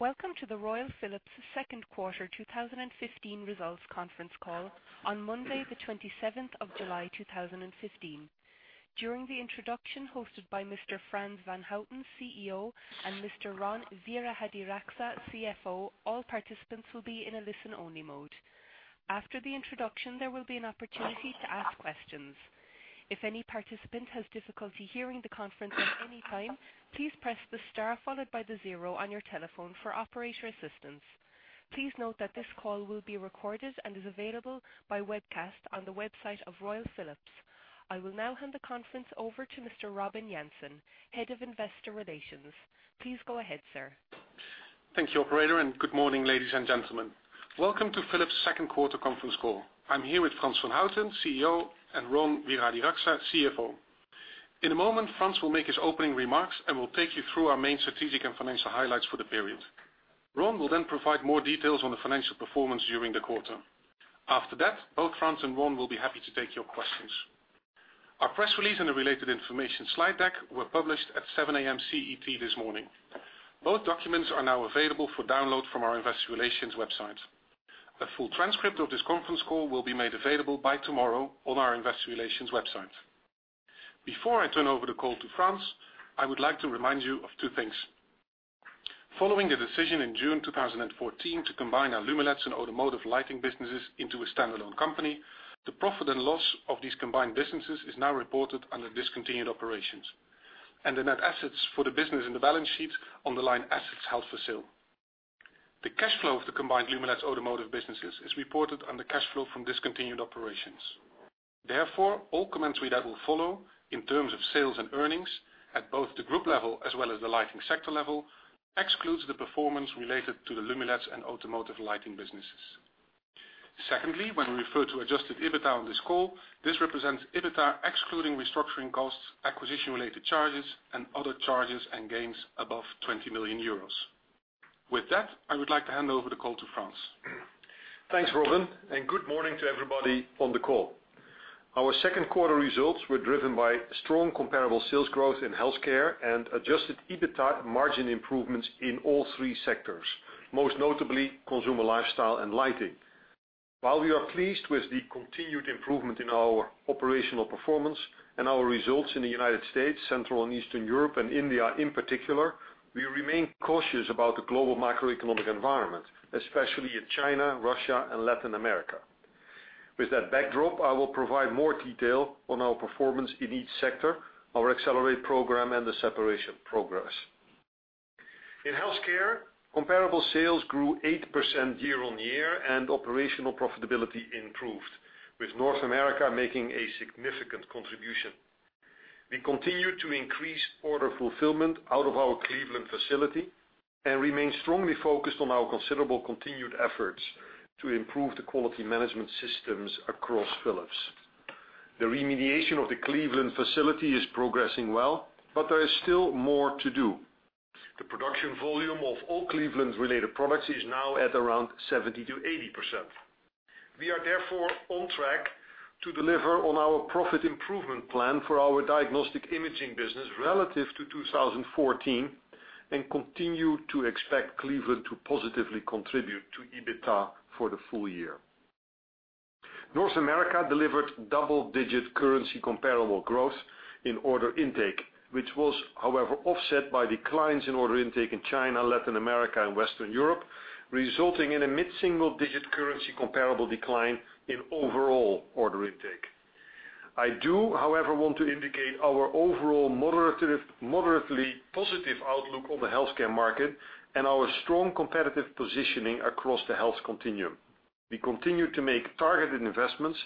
Welcome to the Royal Philips second quarter 2015 results conference call on Monday the 27th of July, 2015. During the introduction, hosted by Mr. Frans van Houten, CEO, and Mr. Ron Wirahadiraksa, CFO, all participants will be in a listen-only mode. After the introduction, there will be an opportunity to ask questions. If any participant has difficulty hearing the conference at any time, please press the star followed by the zero on your telephone for operator assistance. Please note that this call will be recorded and is available by webcast on the website of Royal Philips. I will now hand the conference over to Mr. Robin Jansen, Head of Investor Relations. Please go ahead, sir. Thank you, operator. Good morning, ladies and gentlemen. Welcome to Philips second quarter conference call. I am here with Frans van Houten, CEO, and Ron Wirahadiraksa, CFO. In a moment, Frans will make his opening remarks and will take you through our main strategic and financial highlights for the period. Ron will then provide more details on the financial performance during the quarter. After that, both Frans and Ron will be happy to take your questions. Our press release and the related information slide deck were published at 7:00 A.M. CET this morning. Both documents are now available for download from our investor relations website. A full transcript of this conference call will be made available by tomorrow on our investor relations website. Before I turn over the call to Frans, I would like to remind you of two things. Following a decision in June 2014 to combine our Lumileds and automotive lighting businesses into a stand-alone company, the profit and loss of these combined businesses is now reported under Discontinued Operations, and the net assets for the business in the balance sheet on the line assets held for sale. The cash flow of the combined Lumileds automotive businesses is reported under cash flow from Discontinued Operations. Therefore, all commentary that will follow in terms of sales and earnings at both the group level as well as the lighting sector level excludes the performance related to the Lumileds and automotive lighting businesses. Secondly, when we refer to adjusted EBITDA on this call, this represents EBITDA excluding restructuring costs, acquisition-related charges, and other charges and gains above 20 million euros. With that, I would like to hand over the call to Frans. Thanks, Robin. Good morning to everybody on the call. Our second quarter results were driven by strong comparable sales growth in healthcare and adjusted EBITDA margin improvements in all three sectors, most notably Consumer Lifestyle and Lighting. While we are pleased with the continued improvement in our operational performance and our results in the U.S., Central and Eastern Europe, and India in particular, we remain cautious about the global macroeconomic environment, especially in China, Russia, and Latin America. With that backdrop, I will provide more detail on our performance in each sector, our Accelerate! program, and the separation progress. In healthcare, comparable sales grew 8% year-on-year and operational profitability improved, with North America making a significant contribution. We continue to increase order fulfillment out of our Cleveland facility and remain strongly focused on our considerable continued efforts to improve the quality management systems across Philips. The remediation of the Cleveland facility is progressing well, but there is still more to do. The production volume of all Cleveland related products is now at around 70%-80%. We are therefore on track to deliver on our profit improvement plan for our diagnostic imaging business relative to 2014 and continue to expect Cleveland to positively contribute to EBITDA for the full year. North America delivered double-digit currency comparable growth in order intake, which was, however, offset by declines in order intake in China, Latin America, and Western Europe, resulting in a mid-single digit currency comparable decline in overall order intake. I do, however, want to indicate our overall moderately positive outlook on the healthcare market and our strong competitive positioning across the health continuum. We continue to make targeted investments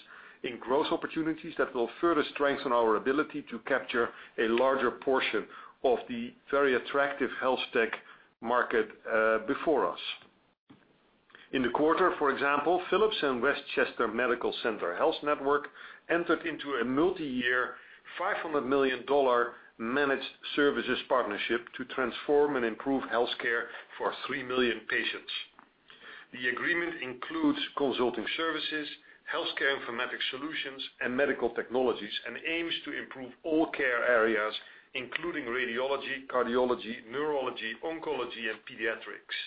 in growth opportunities that will further strengthen our ability to capture a larger portion of the very attractive HealthTech market before us. In the quarter, for example, Philips and Westchester Medical Center Health Network entered into a multiyear $500 million managed services partnership to transform and improve healthcare for 3 million patients. The agreement includes consulting services, healthcare informatics solutions, and medical technologies and aims to improve all care areas, including radiology, cardiology, neurology, oncology, and pediatrics.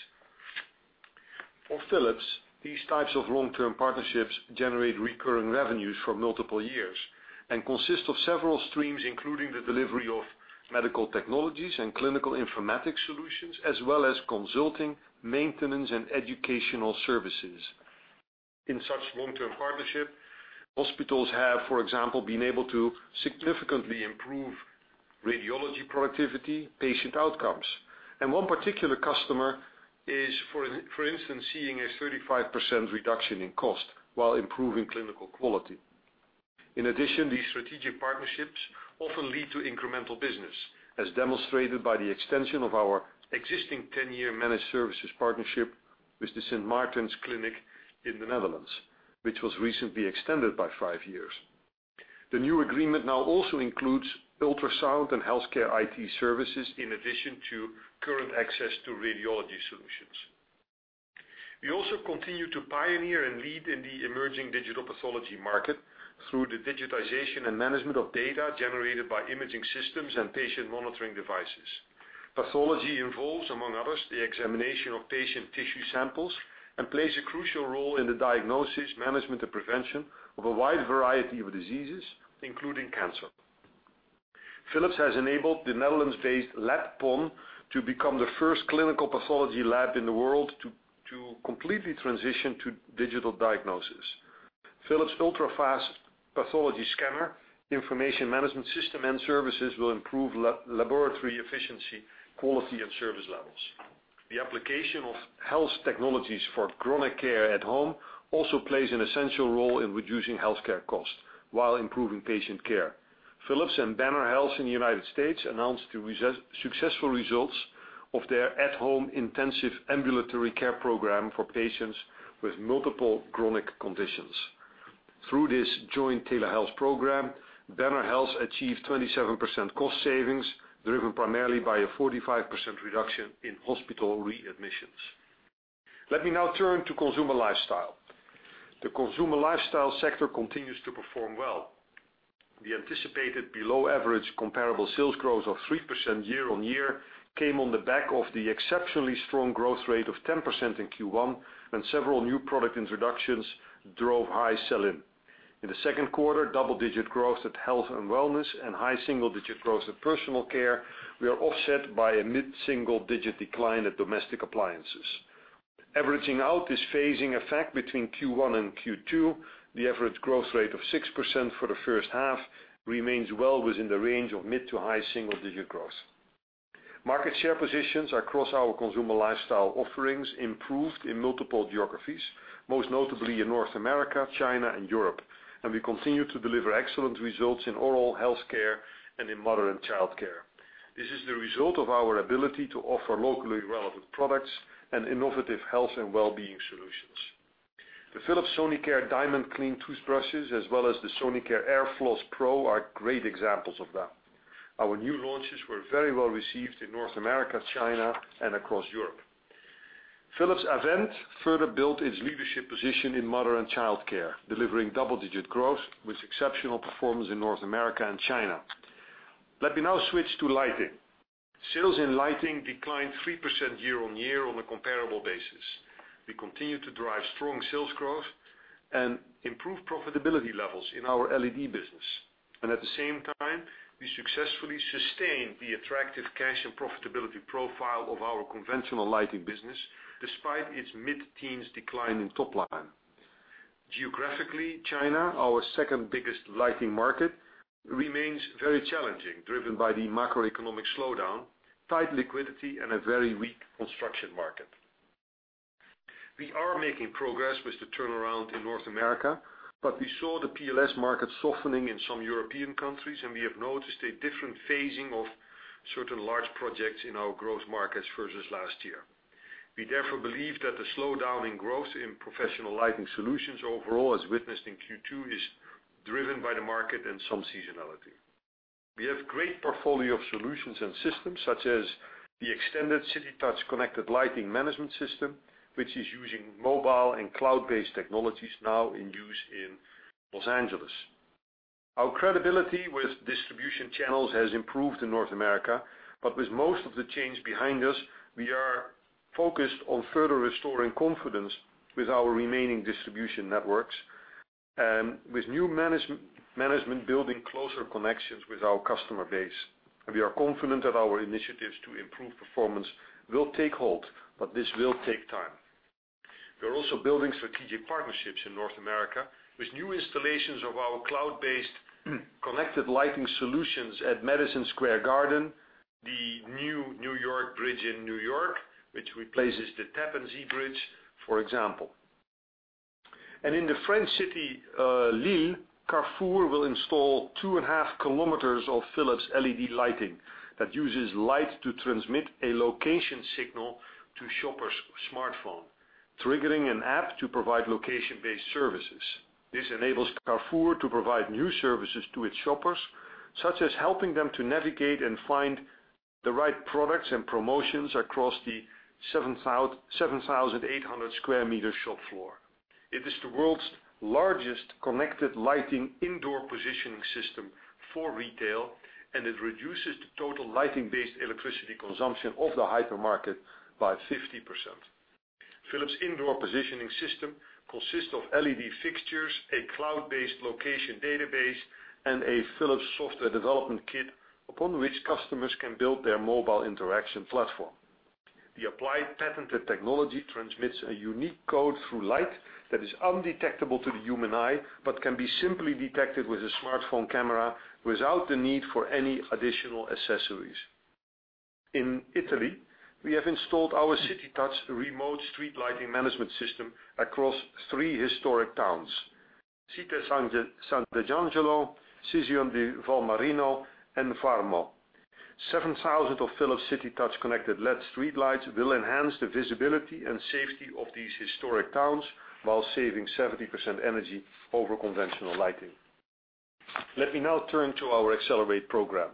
For Philips, these types of long-term partnerships generate recurring revenues for multiple years and consist of several streams, including the delivery of medical technologies and clinical informatics solutions, as well as consulting, maintenance, and educational services. In such long-term partnership, hospitals have, for example, been able to significantly improve radiology productivity, patient outcomes. One particular customer is, for instance, seeing a 35% reduction in cost while improving clinical quality. In addition, these strategic partnerships often lead to incremental business as demonstrated by the extension of our existing 10-year managed services partnership with the Sint Maartenskliniek in the Netherlands, which was recently extended by five years. The new agreement now also includes ultrasound and healthcare IT services in addition to current access to radiology solutions. We also continue to pioneer and lead in the emerging digital pathology market through the digitization and management of data generated by imaging systems and patient monitoring devices. Pathology involves, among others, the examination of patient tissue samples and plays a crucial role in the diagnosis, management, and prevention of a wide variety of diseases, including cancer. Philips has enabled the Netherlands-based LabPON to become the first clinical pathology lab in the world to completely transition to digital diagnosis. Philips' ultrafast pathology scanner, information management system and services will improve laboratory efficiency, quality and service levels. The application of health technologies for chronic care at home also plays an essential role in reducing healthcare costs while improving patient care. Philips and Banner Health in the U.S. announced the successful results of their at-home intensive ambulatory care program for patients with multiple chronic conditions. Through this joint tailor health program, Banner Health achieved 27% cost savings, driven primarily by a 45% reduction in hospital readmissions. Let me now turn to Consumer Lifestyle. The Consumer Lifestyle sector continues to perform well. The anticipated below average comparable sales growth of 3% year-on-year came on the back of the exceptionally strong growth rate of 10% in Q1, when several new product introductions drove high sell-in. In the second quarter, double-digit growth at health and wellness and high single-digit growth at personal care were offset by a mid-single digit decline at domestic appliances. Averaging out this phasing effect between Q1 and Q2, the average growth rate of 6% for the first half remains well within the range of mid to high single digit growth. Market share positions across our Consumer Lifestyle offerings improved in multiple geographies, most notably in North America, China and Europe, and we continue to deliver excellent results in oral health care and in mother and child care. This is the result of our ability to offer locally relevant products and innovative health and wellbeing solutions. The Philips Sonicare DiamondClean toothbrushes as well as the Sonicare AirFloss Pro are great examples of that. Our new launches were very well received in North America, China and across Europe. Philips Avent further built its leadership position in mother and child care, delivering double-digit growth with exceptional performance in North America and China. Let me now switch to Lighting. Sales in Lighting declined 3% year-on-year on a comparable basis. We continue to drive strong sales growth and improve profitability levels in our LED business. At the same time, we successfully sustained the attractive cash and profitability profile of our conventional lighting business, despite its mid-teens decline in top line. Geographically, China, our second biggest lighting market, remains very challenging, driven by the macroeconomic slowdown, tight liquidity and a very weak construction market. We are making progress with the turnaround in North America, we saw the PLS market softening in some European countries and we have noticed a different phasing of certain large projects in our growth markets versus last year. We therefore believe that the slowdown in growth in Professional Lighting Solutions overall as witnessed in Q2 is driven by the market and some seasonality. We have great portfolio of solutions and systems such as the extended CityTouch connected lighting management system, which is using mobile and cloud-based technologies now in use in Los Angeles. Our credibility with distribution channels has improved in North America, with most of the change behind us, we are focused on further restoring confidence with our remaining distribution networks and with new management building closer connections with our customer base. We are confident that our initiatives to improve performance will take hold, this will take time. We are also building strategic partnerships in North America with new installations of our cloud-based connected lighting solutions at Madison Square Garden, the new New York bridge in New York, which replaces the Tappan Zee Bridge, for example. In the French city, Lille, Carrefour will install two and a half km of Philips LED lighting that uses light to transmit a location signal to shoppers' smartphone, triggering an app to provide location-based services. This enables Carrefour to provide new services to its shoppers, such as helping them to navigate and find the right products and promotions across the 7,800 sq m shop floor. It is the world's largest connected lighting indoor positioning system for retail, and it reduces the total lighting-based electricity consumption of the hypermarket by 50%. Philips' indoor positioning system consists of LED fixtures, a cloud-based location database, and a Philips software development kit upon which customers can build their mobile interaction platform. The applied patented technology transmits a unique code through light that is undetectable to the human eye, but can be simply detected with a smartphone camera without the need for any additional accessories. In Italy, we have installed our CityTouch remote street lighting management system across three historic towns. Cittadella, Susegana and Varmo. 7,000 of Philips CityTouch connected LED streetlights will enhance the visibility and safety of these historic towns while saving 70% energy over conventional lighting. Let me now turn to our Accelerate! program.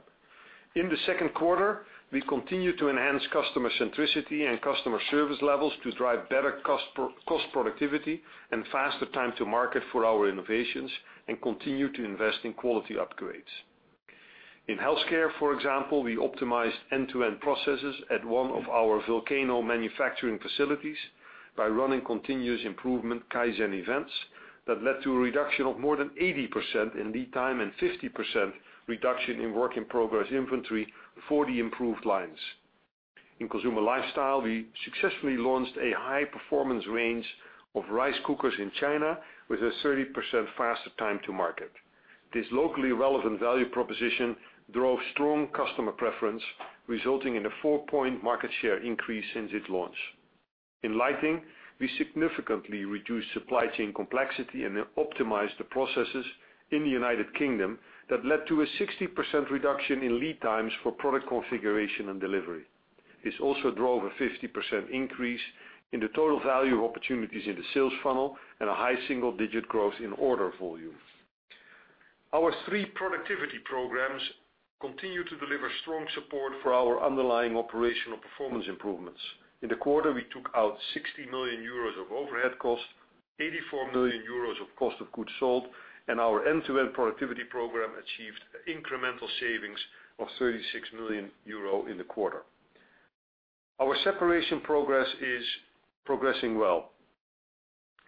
In the second quarter, we continued to enhance customer centricity and customer service levels to drive better cost productivity and faster time to market for our innovations and continue to invest in quality upgrades. In healthcare, for example, we optimized end-to-end processes at one of our Volcano manufacturing facilities by running continuous improvement Kaizen events that led to a reduction of more than 80% in lead time and 50% reduction in work-in-progress inventory for the improved lines. In Consumer Lifestyle, we successfully launched a high-performance range of rice cookers in China with a 30% faster time to market. This locally relevant value proposition drove strong customer preference, resulting in a four-point market share increase since its launch. In Lighting, we significantly reduced supply chain complexity and optimized the processes in the U.K. that led to a 60% reduction in lead times for product configuration and delivery. This also drove a 50% increase in the total value of opportunities in the sales funnel and a high single-digit growth in order volume. Our three productivity programs continue to deliver strong support for our underlying operational performance improvements. In the quarter, we took out 60 million euros of overhead costs, 84 million euros of cost of goods sold, our end-to-end productivity program achieved incremental savings of 36 million euro in the quarter. Our separation progress is progressing well.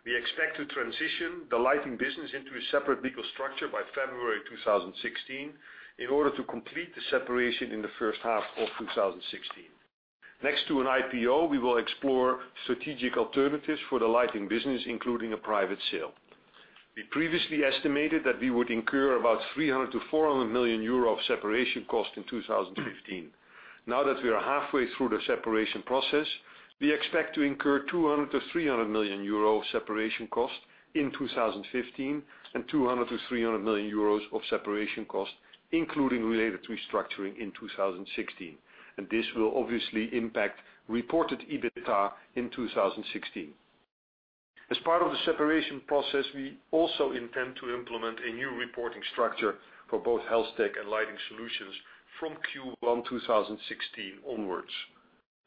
We expect to transition the Lighting business into a separate legal structure by February 2016 in order to complete the separation in the first half of 2016. Next to an IPO, we will explore strategic alternatives for the Lighting business, including a private sale. We previously estimated that we would incur about 300 million-400 million euro of separation costs in 2015. Now that we are halfway through the separation process, we expect to incur 200 million-300 million euro of separation costs in 2015 and 200 million-300 million euros of separation costs, including related restructuring, in 2016. This will obviously impact reported EBITDA in 2016. As part of the separation process, we also intend to implement a new reporting structure for both HealthTech and Lighting Solutions from Q1 2016 onwards.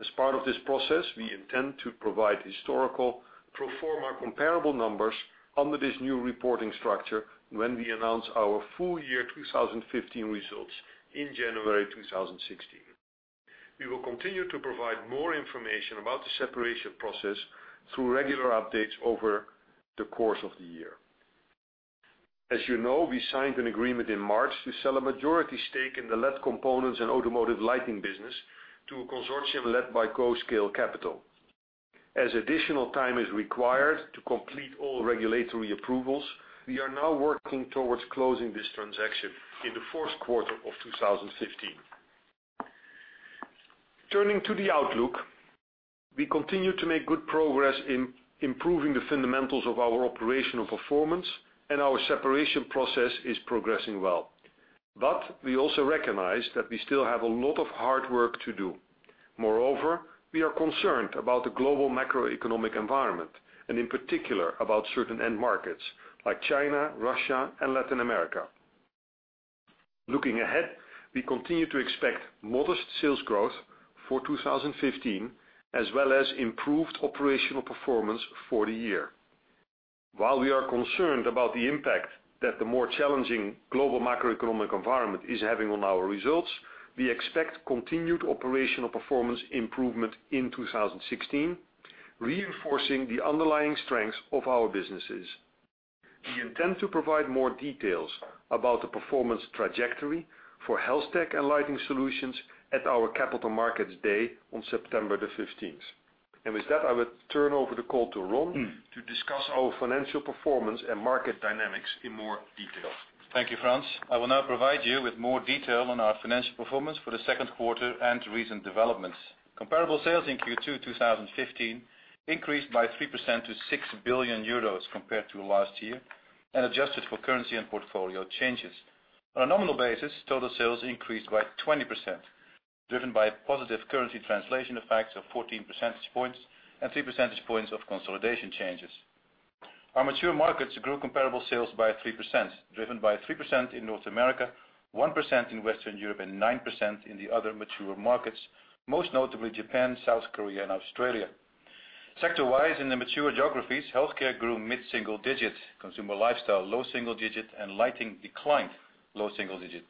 As part of this process, we intend to provide historical pro forma comparable numbers under this new reporting structure when we announce our full year 2015 results in January 2016. We will continue to provide more information about the separation process through regular updates over the course of the year. As you know, we signed an agreement in March to sell a majority stake in the LED components and automotive lighting business to a consortium led by GO Scale Capital. As additional time is required to complete all regulatory approvals, we are now working towards closing this transaction in the fourth quarter of 2015. Turning to the outlook, we continue to make good progress in improving the fundamentals of our operational performance, and our separation process is progressing well, but we also recognize that we still have a lot of hard work to do. Moreover, we are concerned about the global macroeconomic environment, and in particular about certain end markets like China, Russia, and Latin America. Looking ahead, we continue to expect modest sales growth for 2015, as well as improved operational performance for the year. While we are concerned about the impact that the more challenging global macroeconomic environment is having on our results, we expect continued operational performance improvement in 2016, reinforcing the underlying strengths of our businesses. We intend to provide more details about the performance trajectory for HealthTech and Lighting Solutions at our Capital Markets Day on September 15th. With that, I would turn over the call to Ron to discuss our financial performance and market dynamics in more detail. Thank you, Frans. I will now provide you with more detail on our financial performance for the second quarter and recent developments. Comparable sales in Q2 2015 increased by 3% to 6 billion euros compared to last year and adjusted for currency and portfolio changes. On a nominal basis, total sales increased by 20%, driven by positive currency translation effects of 14 percentage points and 3 percentage points of consolidation changes. Our mature markets grew comparable sales by 3%, driven by 3% in North America, 1% in Western Europe, and 9% in the other mature markets, most notably Japan, South Korea, and Australia. Sector-wise, in the mature geographies, healthcare grew mid-single digit, Consumer Lifestyle, low single digit, and lighting declined low single digit.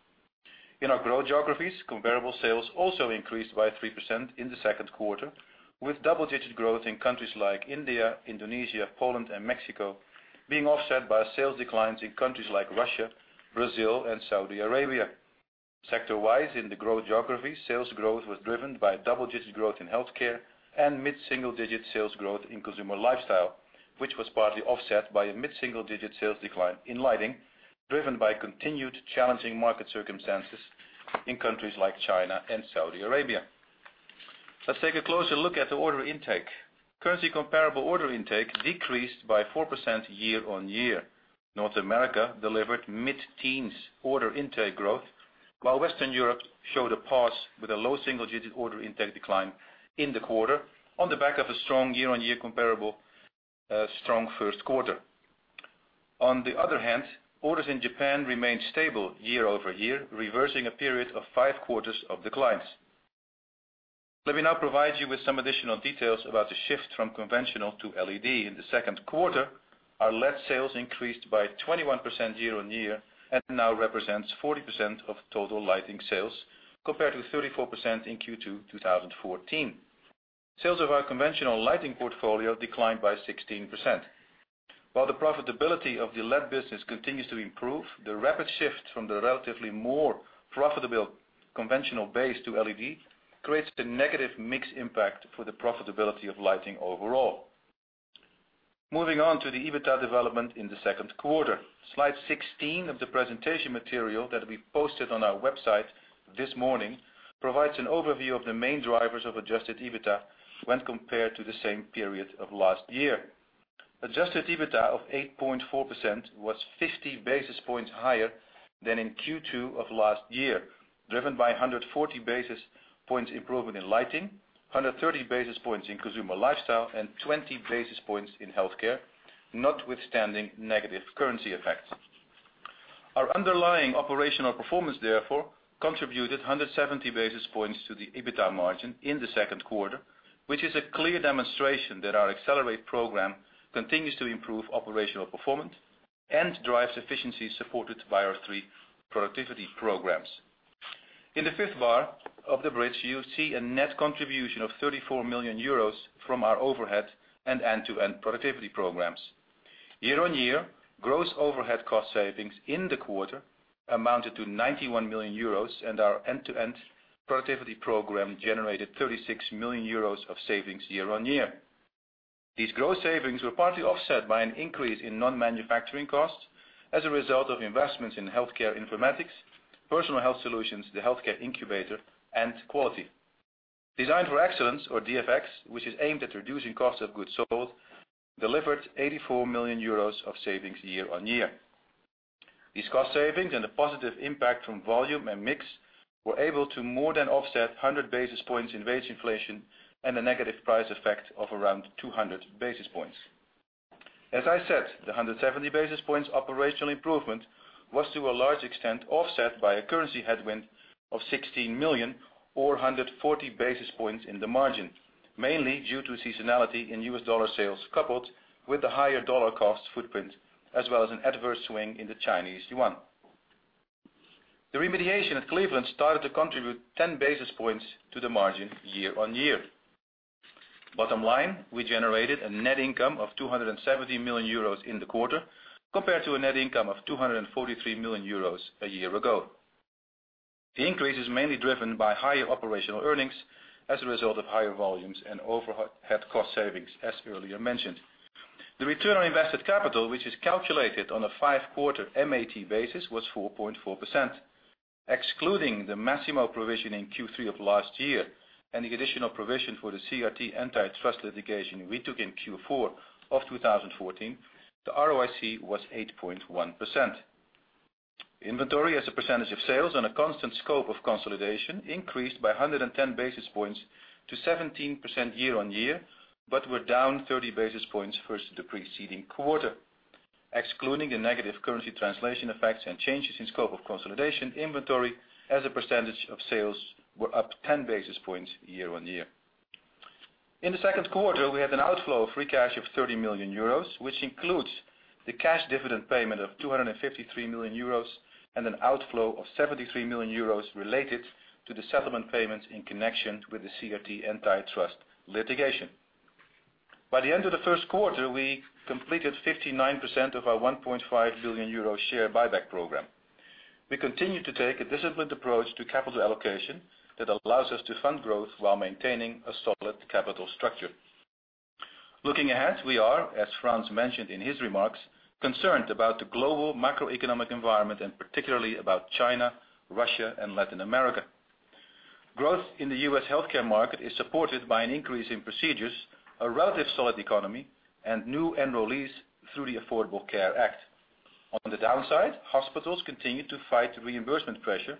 In our growth geographies, comparable sales also increased by 3% in the second quarter, with double-digit growth in countries like India, Indonesia, Poland, and Mexico being offset by sales declines in countries like Russia, Brazil, and Saudi Arabia. Sector-wise, in the growth geographies, sales growth was driven by double-digit growth in healthcare and mid-single-digit sales growth in Consumer Lifestyle, which was partly offset by a mid-single-digit sales decline in lighting, driven by continued challenging market circumstances in countries like China and Saudi Arabia. Let's take a closer look at the order intake. Currency comparable order intake decreased by 4% year-on-year. North America delivered mid-teens order intake growth while Western Europe showed a pause with a low single-digit order intake decline in the quarter on the back of a strong year-on-year comparable strong first quarter. On the other hand, orders in Japan remained stable year-over-year, reversing a period of five quarters of declines. Let me now provide you with some additional details about the shift from conventional to LED. In the second quarter, our LED sales increased by 21% year-on-year and now represents 40% of total lighting sales, compared to 34% in Q2 2014. Sales of our conventional lighting portfolio declined by 16%. While the profitability of the LED business continues to improve, the rapid shift from the relatively more profitable conventional base to LED creates a negative mix impact for the profitability of lighting overall. Moving on to the EBITDA development in the second quarter. Slide 16 of the presentation material that we posted on our website this morning provides an overview of the main drivers of adjusted EBITDA when compared to the same period of last year. Adjusted EBITDA of 8.4% was 50 basis points higher than in Q2 of last year, driven by 140 basis points improvement in lighting, 130 basis points in Consumer Lifestyle, and 20 basis points in healthcare, notwithstanding negative currency effects. Our underlying operational performance therefore, contributed 170 basis points to the EBITDA margin in the second quarter, which is a clear demonstration that our Accelerate! program continues to improve operational performance and drives efficiency supported by our three productivity programs. In the fifth bar of the bridge, you'll see a net contribution of 34 million euros from our overhead and end-to-end productivity programs. Year-on-year, gross overhead cost savings in the quarter amounted to 91 million euros, and our end-to-end productivity program generated 36 million euros of savings year-on-year. These gross savings were partly offset by an increase in non-manufacturing costs as a result of investments in healthcare informatics, personal health solutions, the healthcare incubator, and quality. Designed for Excellence or DFX, which is aimed at reducing cost of goods sold, delivered 84 million euros of savings year-on-year. These cost savings and the positive impact from volume and mix were able to more than offset 100 basis points in wage inflation and a negative price effect of around 200 basis points. As I said, the 170 basis points operational improvement was to a large extent offset by a currency headwind of 16 million or 140 basis points in the margin, mainly due to seasonality in U.S. dollar sales, coupled with the higher dollar cost footprint as well as an adverse swing in the Chinese yuan. The remediation at Cleveland started to contribute 10 basis points to the margin year-on-year. Bottom line, we generated a net income of 270 million euros in the quarter, compared to a net income of 243 million euros a year ago. The increase is mainly driven by higher operational earnings as a result of higher volumes and overhead cost savings, as earlier mentioned. The return on invested capital, which is calculated on a five-quarter MAT basis, was 4.4%. Excluding the Masimo provision in Q3 of last year and the additional provision for the CRT antitrust litigation we took in Q4 of 2014, the ROIC was 8.1%. Inventory as a percentage of sales on a constant scope of consolidation increased by 110 basis points to 17% year-on-year, but were down 30 basis points versus the preceding quarter. Excluding the negative currency translation effects and changes in scope of consolidation inventory as a percentage of sales were up 10 basis points year on year. In the second quarter, we had an outflow of free cash of 30 million euros, which includes the cash dividend payment of 253 million euros and an outflow of 73 million euros related to the settlement payments in connection with the CRT antitrust litigation. By the end of the first quarter, we completed 59% of our 1.5 billion euro share buyback program. We continue to take a disciplined approach to capital allocation that allows us to fund growth while maintaining a solid capital structure. Looking ahead, we are, as Frans mentioned in his remarks, concerned about the global macroeconomic environment and particularly about China, Russia, and Latin America. Growth in the U.S. healthcare market is supported by an increase in procedures, a relative solid economy, and new enrollees through the Affordable Care Act. On the downside, hospitals continue to fight reimbursement pressure,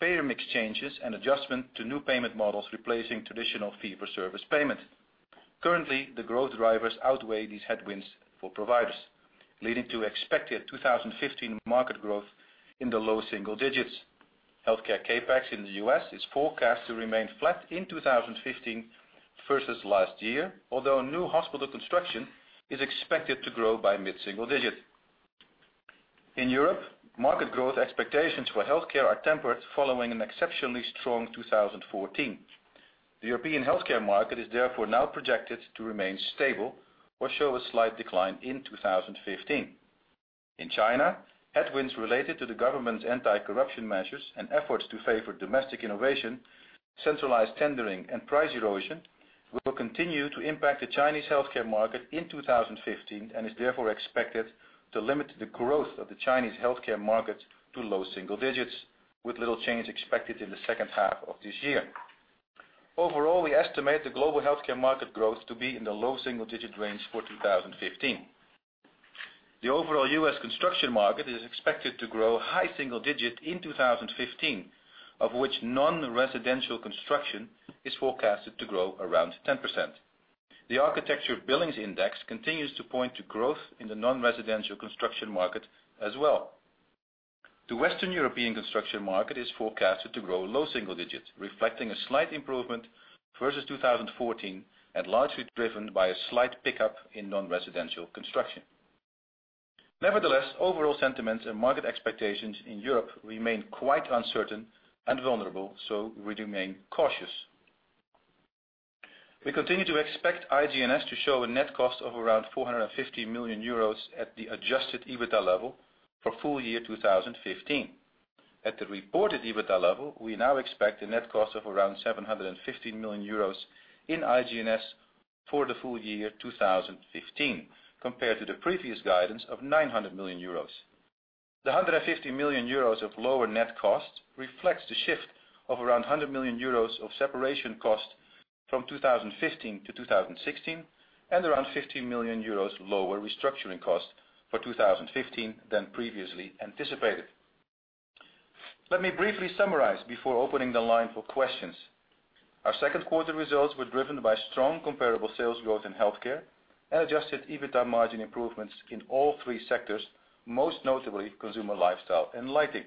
payer mix changes, and adjustment to new payment models replacing traditional fee-for-service payment. Currently, the growth drivers outweigh these headwinds for providers, leading to expected 2015 market growth in the low single digits. Healthcare CapEx in the U.S. is forecast to remain flat in 2015 versus last year, although new hospital construction is expected to grow by mid-single digits. In Europe, market growth expectations for healthcare are tempered following an exceptionally strong 2014. The European healthcare market is therefore now projected to remain stable or show a slight decline in 2015. In China, headwinds related to the government's anti-corruption measures and efforts to favor domestic innovation, centralized tendering, and price erosion will continue to impact the Chinese healthcare market in 2015 and is therefore expected to limit the growth of the Chinese healthcare market to low single digits, with little change expected in the second half of this year. Overall, we estimate the global healthcare market growth to be in the low single-digit range for 2015. The overall U.S. construction market is expected to grow high single digits in 2015, of which non-residential construction is forecasted to grow around 10%. The Architecture Billings Index continues to point to growth in the non-residential construction market as well. The Western European construction market is forecasted to grow low single digits, reflecting a slight improvement versus 2014, and largely driven by a slight pickup in non-residential construction. Nevertheless, overall sentiments and market expectations in Europe remain quite uncertain and vulnerable. We remain cautious. We continue to expect IG& to show a net cost of around 450 million euros at the adjusted EBITDA level for full year 2015. At the reported EBITDA level, we now expect a net cost of around 750 million euros in IG&S for the full year 2015, compared to the previous guidance of 900 million euros. The 150 million euros of lower net cost reflects the shift of around 100 million euros of separation cost from 2015 to 2016, and around 15 million euros lower restructuring cost for 2015 than previously anticipated. Let me briefly summarize before opening the line for questions. Our second quarter results were driven by strong comparable sales growth in healthcare and adjusted EBITDA margin improvements in all three sectors, most notably Consumer Lifestyle and Lighting.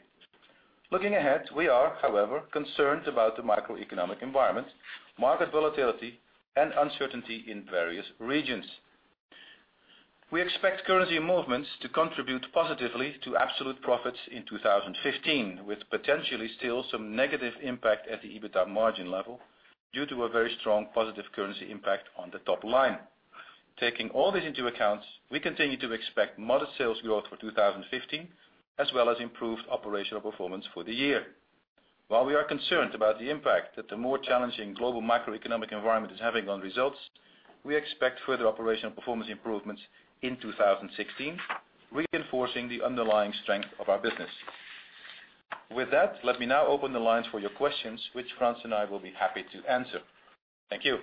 Looking ahead, we are, however, concerned about the macroeconomic environment, market volatility, and uncertainty in various regions. We expect currency movements to contribute positively to absolute profits in 2015, with potentially still some negative impact at the EBITDA margin level due to a very strong positive currency impact on the top line. Taking all this into account, we continue to expect modest sales growth for 2015, as well as improved operational performance for the year. While we are concerned about the impact that the more challenging global macroeconomic environment is having on results, we expect further operational performance improvements in 2016, reinforcing the underlying strength of our business. With that, let me now open the lines for your questions, which Frans and I will be happy to answer. Thank you.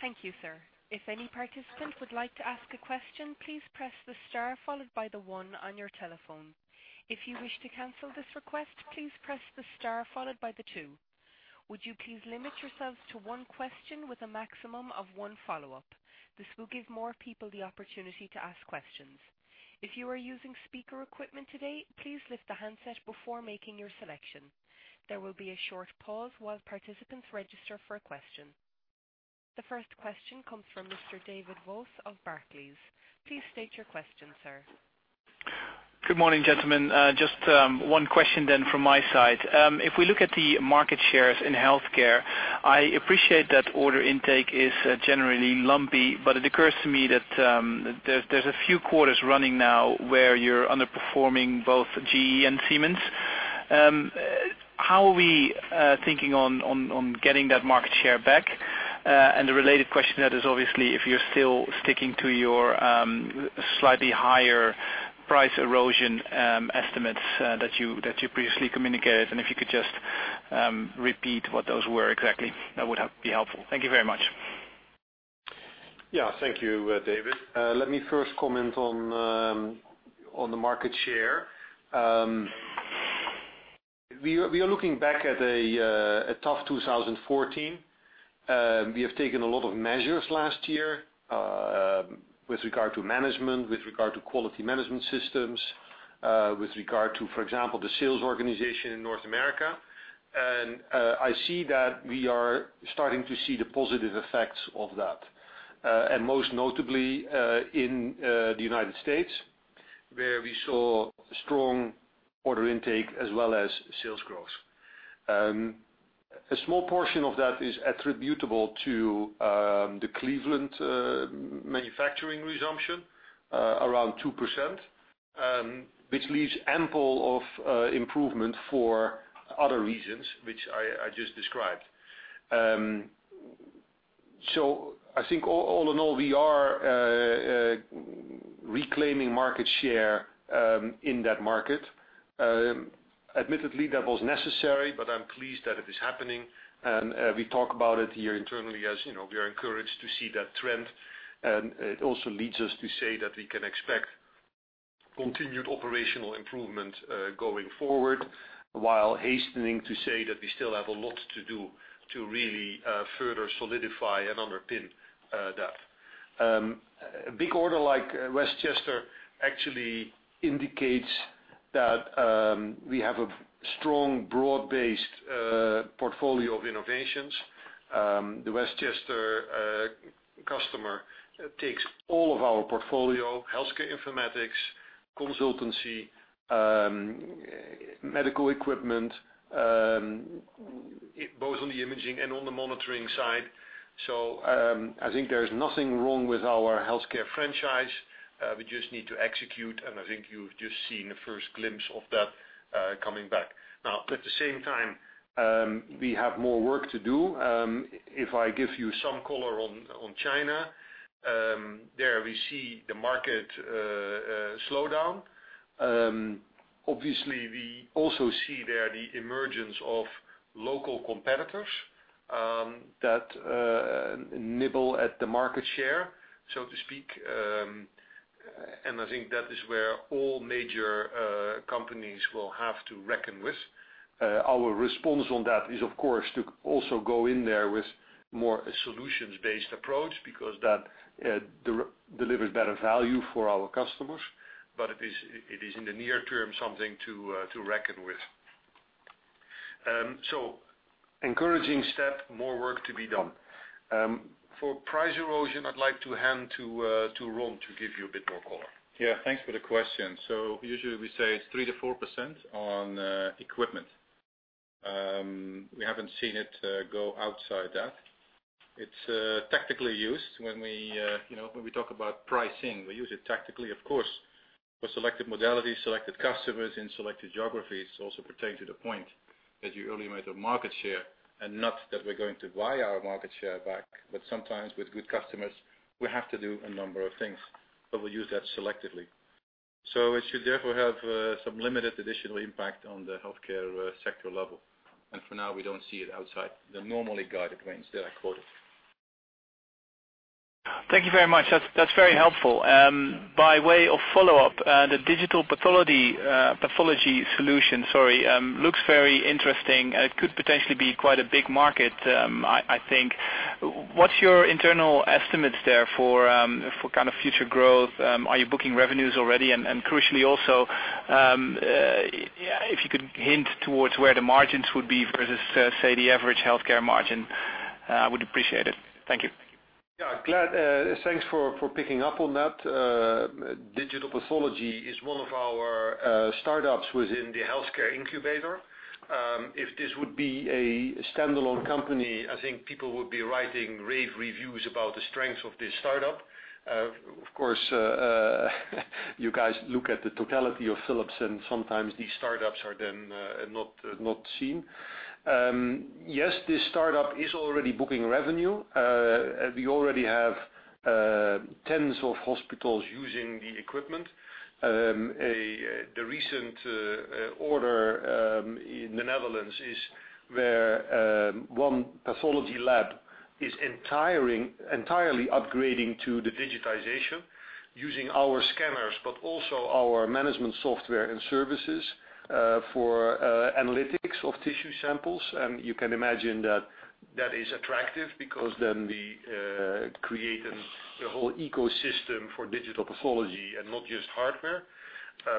Thank you, sir. If any participant would like to ask a question, please press the star followed by the one on your telephone. If you wish to cancel this request, please press the star followed by the two. Would you please limit yourselves to one question with a maximum of one follow-up? This will give more people the opportunity to ask questions. If you are using speaker equipment today, please lift the handset before making your selection. There will be a short pause while participants register for a question. The first question comes from Mr. David Vos of Barclays. Please state your question, sir. Good morning, gentlemen. Just one question from my side. If we look at the market shares in healthcare, I appreciate that order intake is generally lumpy, but it occurs to me that there's a few quarters running now where you're underperforming both GE and Siemens. How are we thinking on getting that market share back? The related question that is obviously if you're still sticking to your slightly higher price erosion estimates that you previously communicated, and if you could just repeat what those were exactly, that would be helpful. Thank you very much. Thank you, David. Let me first comment on the market share. We are looking back at a tough 2014. We have taken a lot of measures last year with regard to management, with regard to quality management systems, with regard to, for example, the sales organization in North America. I see that we are starting to see the positive effects of that, and most notably, in the United States, where we saw strong order intake as well as sales growth. A small portion of that is attributable to the Cleveland manufacturing resumption, around 2%, which leaves ample of improvement for other reasons, which I just described. I think all in all, we are reclaiming market share in that market. Admittedly, that was necessary, but I'm pleased that it is happening. We talk about it here internally as we are encouraged to see that trend. It also leads us to say that we can expect continued operational improvement going forward while hastening to say that we still have a lot to do to really further solidify and underpin that. A big order like Westchester actually indicates that we have a strong, broad-based portfolio of innovations. The Westchester customer takes all of our portfolio, healthcare informatics, consultancy, medical equipment, both on the imaging and on the monitoring side. I think there is nothing wrong with our healthcare franchise. We just need to execute, and I think you've just seen the first glimpse of that coming back. At the same time, we have more work to do. If I give you some color on China, there we see the market slow down. Obviously, we also see there the emergence of local competitors That nibble at the market share, so to speak. I think that is where all major companies will have to reckon with. Our response on that is, of course, to also go in there with more solutions-based approach, because that delivers better value for our customers. It is in the near term, something to reckon with. Encouraging step, more work to be done. For price erosion, I'd like to hand to Ron to give you a bit more color. Thanks for the question. Usually we say it's 3%-4% on equipment. We haven't seen it go outside that. It's tactically used when we talk about pricing, we use it tactically, of course, for selected modalities, selected customers in selected geographies, also pertaining to the point that you earlier made of market share, and not that we're going to buy our market share back. Sometimes with good customers, we have to do a number of things, but we'll use that selectively. It should therefore have some limited additional impact on the healthcare sector level. For now, we don't see it outside the normally guided range that I quoted. Thank you very much. That's very helpful. By way of follow-up, the digital pathology solution looks very interesting, and it could potentially be quite a big market, I think. What's your internal estimates there for future growth? Are you booking revenues already? Crucially also, if you could hint towards where the margins would be versus, say, the average healthcare margin, I would appreciate it. Thank you. Glad. Thanks for picking up on that. digital pathology is one of our startups within the healthcare incubator. If this would be a standalone company, I think people would be writing rave reviews about the strength of this startup. Of course, you guys look at the totality of Philips and sometimes these startups are then not seen. Yes, this startup is already booking revenue. We already have tens of hospitals using the equipment. The recent order in the Netherlands is where one pathology lab is entirely upgrading to the digitization using our scanners, but also our management software and services, for analytics of tissue samples. You can imagine that that is attractive because then we create a whole ecosystem for digital pathology and not just hardware.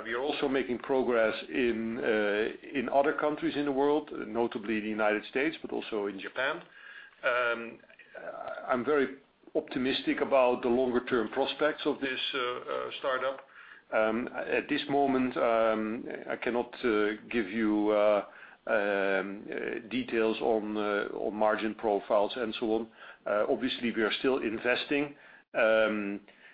We are also making progress in other countries in the world, notably the U.S., but also in Japan. I'm very optimistic about the longer-term prospects of this startup. At this moment, I cannot give you details on margin profiles and so on. Obviously, we are still investing.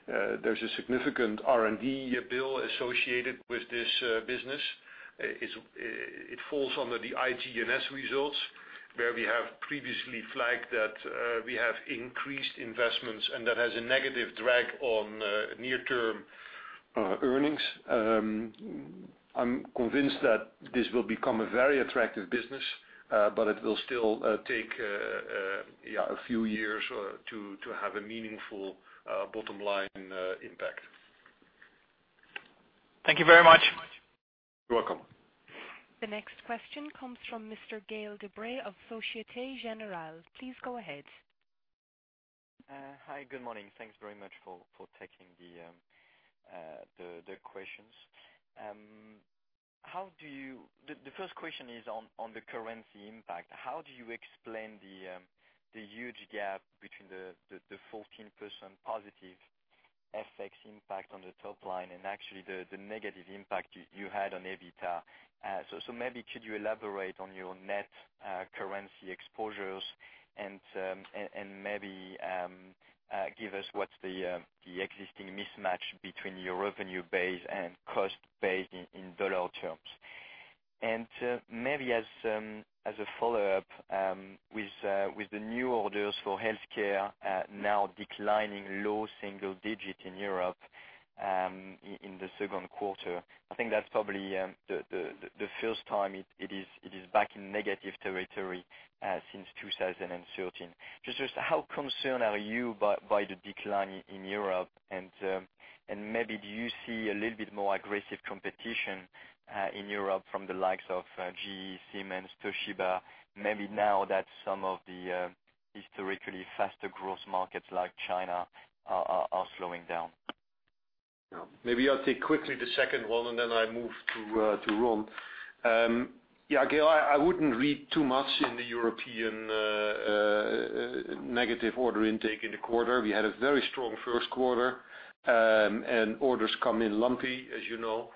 There's a significant R&D bill associated with this business. It falls under the IT&S results, where we have previously flagged that we have increased investments. That has a negative drag on near-term earnings. I'm convinced that this will become a very attractive business, it will still take a few years to have a meaningful bottom-line impact. Thank you very much. You're welcome. The next question comes from Mr. Gael de Bray of Societe Generale. Please go ahead. Hi. Good morning. Thanks very much for taking the questions. The first question is on the currency impact. How do you explain the huge gap between the 14% positive FX impact on the top line and actually the negative impact you had on EBITDA? Maybe could you elaborate on your net currency exposures and maybe give us what's the existing mismatch between your revenue base and cost base in dollar terms? Maybe as a follow-up, with the new orders for healthcare now declining low single digit in Europe in the second quarter, I think that's probably the first time it is back in negative territory since 2013. Just how concerned are you by the decline in Europe and maybe do you see a little bit more aggressive competition in Europe from the likes of GE, Siemens, Toshiba, maybe now that some of the historically faster growth markets like China are slowing down? Maybe I'll take quickly the second one, then I move to Ron. Yeah, Gael, I wouldn't read too much in the European negative order intake in the quarter. We had a very strong first quarter, orders come in lumpy, as you know.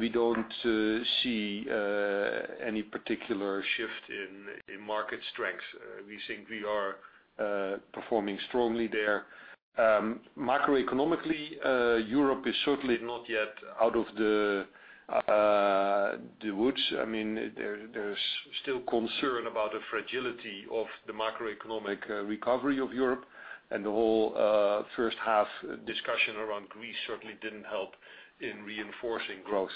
We don't see any particular shift in market strength. We think we are performing strongly there. Macroeconomically, Europe is certainly not yet out of the woods. There's still concern about the fragility of the macroeconomic recovery of Europe and the whole first half discussion around Greece certainly didn't help in reinforcing growth.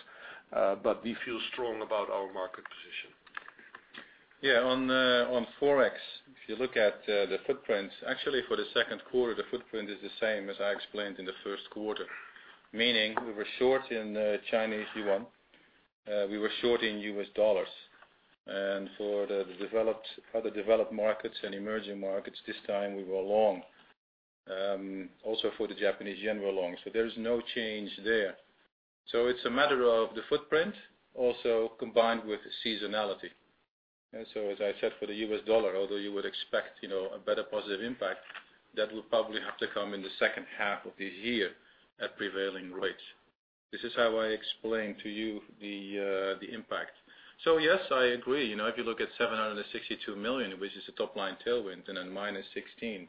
We feel strong about our market position. Yeah. On Forex, if you look at the footprints, actually for the second quarter, the footprint is the same as I explained in the first quarter. Meaning we were short in Chinese yuan, we were short in US dollars. For the other developed markets and emerging markets, this time we were long. Also for the Japanese yen, we're long. There is no change there. It's a matter of the footprint also combined with seasonality. As I said, for the US dollar, although you would expect a better positive impact, that will probably have to come in the second half of this year at prevailing rates. This is how I explain to you the impact. Yes, I agree. If you look at 762 million, which is a top-line tailwind, minus 16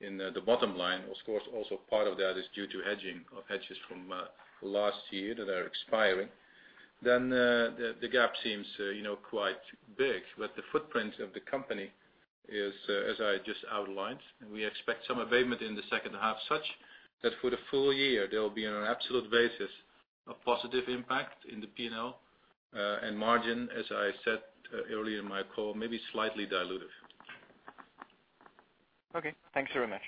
in the bottom line, of course, also part of that is due to hedging of hedges from last year that are expiring. The gap seems quite big. The footprint of the company is as I just outlined, and we expect some abatement in the second half such that for the full year, there will be, on an absolute basis, a positive impact in the P&L and margin, as I said earlier in my call, maybe slightly dilutive. Okay, thanks very much.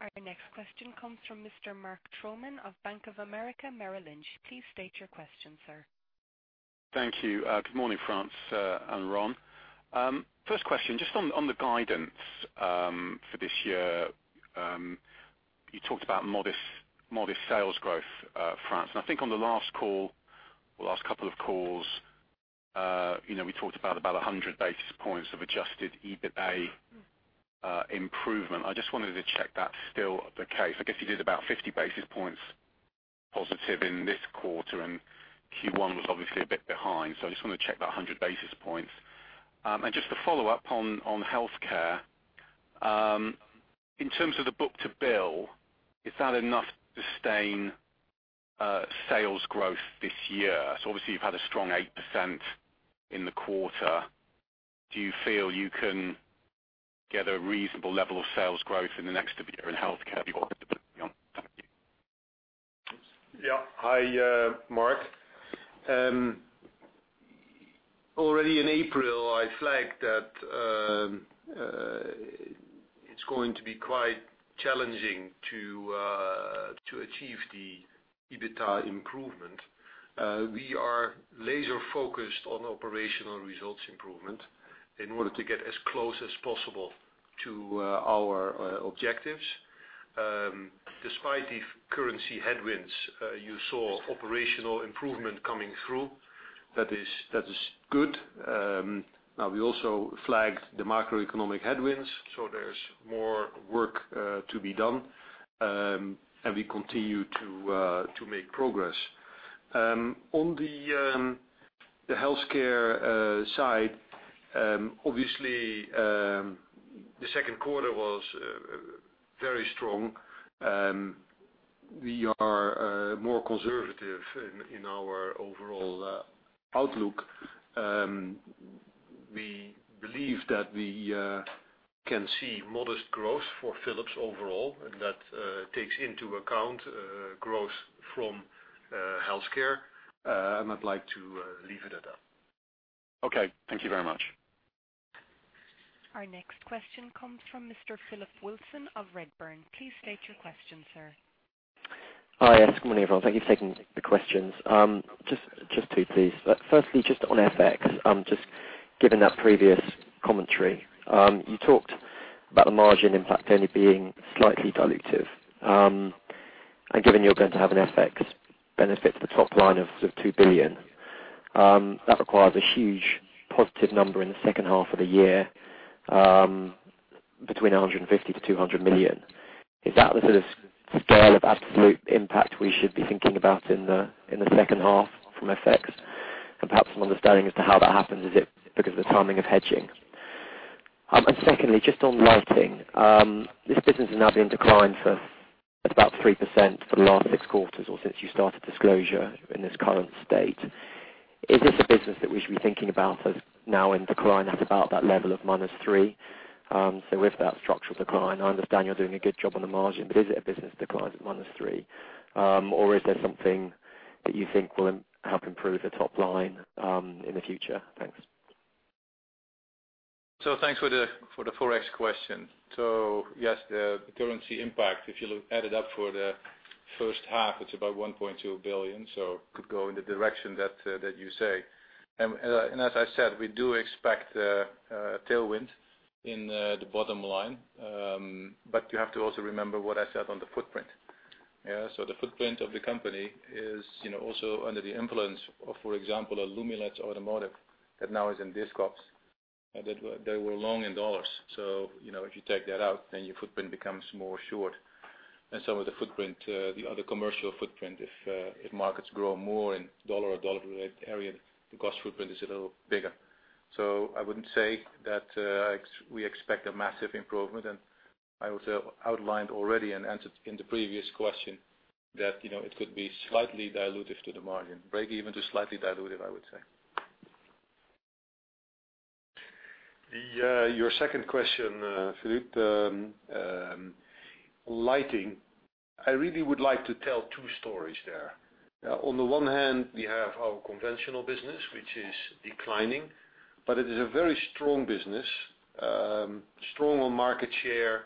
Yeah. Our next question comes from Mr. Mark Troman of Bank of America, Merrill Lynch. Please state your question, sir. Thank you. Good morning, Frans and Ron. First question, just on the guidance for this year. You talked about modest sales growth, Frans, and I think on the last call, or last couple of calls, we talked about 100 basis points of adjusted EBITA improvement. I just wanted to check that's still the case. I guess you did about 50 basis points positive in this quarter, and Q1 was obviously a bit behind. I just want to check that 100 basis points. Just to follow up on healthcare. In terms of the book to bill, is that enough to sustain sales growth this year? Obviously you have had a strong 8% in the quarter. Do you feel you can get a reasonable level of sales growth in the next year in healthcare? Thank you. Yeah. Hi, Mark. Already in April, I flagged that it's going to be quite challenging to achieve the EBITA improvement. We are laser-focused on operational results improvement in order to get as close as possible to our objectives. Despite the currency headwinds, you saw operational improvement coming through. That is good. We also flagged the macroeconomic headwinds, so there's more work to be done. We continue to make progress. On the healthcare side, obviously, the second quarter was very strong. We are more conservative in our overall outlook. We believe that we can see modest growth for Philips overall, and that takes into account growth from healthcare. I'd like to leave it at that. Okay. Thank you very much. Our next question comes from Mr. Philip Wilson of Redburn. Please state your question, sir. Hi, yes. Good morning, everyone. Thank you for taking the questions. Just two, please. Firstly, just on FX, just given that previous commentary. You talked about the margin, in fact, only being slightly dilutive. Given you're going to have an FX benefit to the top line of sort of 2 billion, that requires a huge positive number in the second half of the year, between 150 million-200 million. Is that the sort of scale of absolute impact we should be thinking about in the second half from FX? Perhaps some understanding as to how that happens. Is it because of the timing of hedging? Secondly, just on lighting. This business has now been declined for about 3% for the last six quarters or since you started disclosure in its current state. Is this a business that we should be thinking about as now in decline at about that level of -3%? With that structural decline, I understand you're doing a good job on the margin, but is it a business decline at -3%? Is there something that you think will help improve the top line in the future? Thanks. Thanks for the FX question. Yes, the currency impact, if you add it up for the first half, it's about 1.2 billion, could go in the direction that you say. As I said, we do expect a tailwind in the bottom line. You have to also remember what I said on the footprint. The footprint of the company is also under the influence of, for example, a Lumileds automotive that now is in Disops. They were long in USD. If you take that out, then your footprint becomes more short. Some of the footprint, the other commercial footprint, if markets grow more in USD or USD-related area, the cost footprint is a little bigger. I wouldn't say that we expect a massive improvement. I also outlined already and answered in the previous question that it could be slightly dilutive to the margin, break even to slightly dilutive, I would say. Your second question, Philip, lighting. I really would like to tell two stories there. On the one hand, we have our conventional business, which is declining, but it is a very strong business. Strong on market share,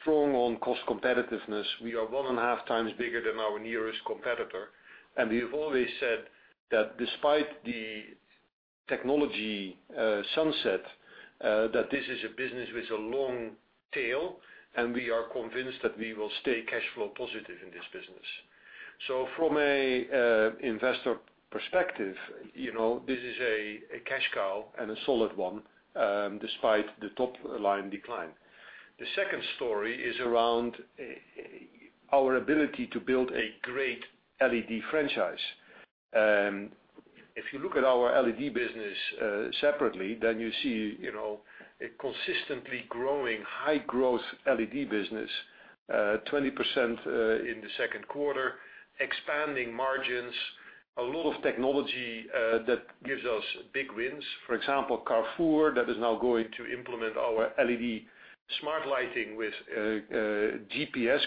strong on cost competitiveness. We are one and a half times bigger than our nearest competitor. We've always said that despite the technology sunset, that this is a business with a long tail, and we are convinced that we will stay cash flow positive in this business. From an investor perspective, this is a cash cow, and a solid one, despite the top-line decline. The second story is around our ability to build a great LED franchise. If you look at our LED business separately, then you see a consistently growing high growth LED business, 20% in the second quarter, expanding margins, a lot of technology that gives us big wins. For example, Carrefour, that is now going to implement our LED smart lighting with GPS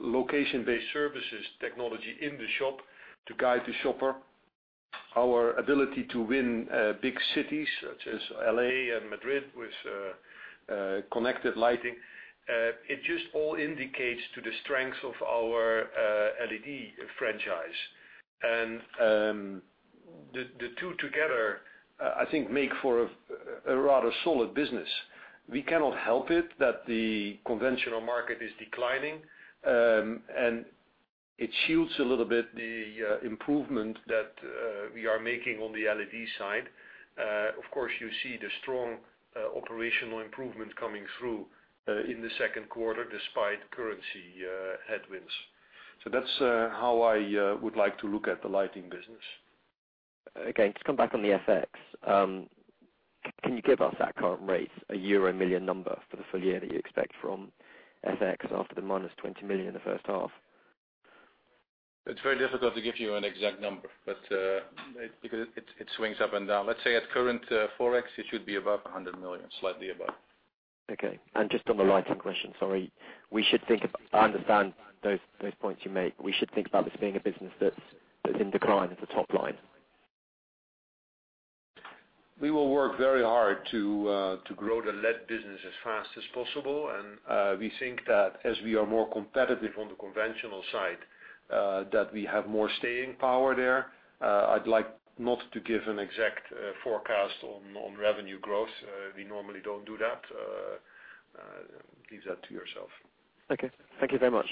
location-based services technology in the shop to guide the shopper. Our ability to win big cities such as L.A. and Madrid with connected lighting. It just all indicates to the strength of our LED franchise. The two together, I think, make for a rather solid business. We cannot help it that the conventional market is declining, and it shields a little bit the improvement that we are making on the LED side. Of course, you see the strong operational improvement coming through in the second quarter, despite currency headwinds. That's how I would like to look at the lighting business. Okay. To come back on the FX, can you give us at current rates, a euro million number for the full year that you expect from FX after the -20 million in the first half? It's very difficult to give you an exact number, because it swings up and down. Let's say at current Forex, it should be above 100 million, slightly above. Okay. Just on the lighting question, sorry. I understand those points you make. We should think about this being a business that's in decline at the top line? We will work very hard to grow the LED business as fast as possible. We think that as we are more competitive on the conventional side, that we have more staying power there. I'd like not to give an exact forecast on revenue growth. We normally don't do that. Leave that to yourself. Okay. Thank you very much.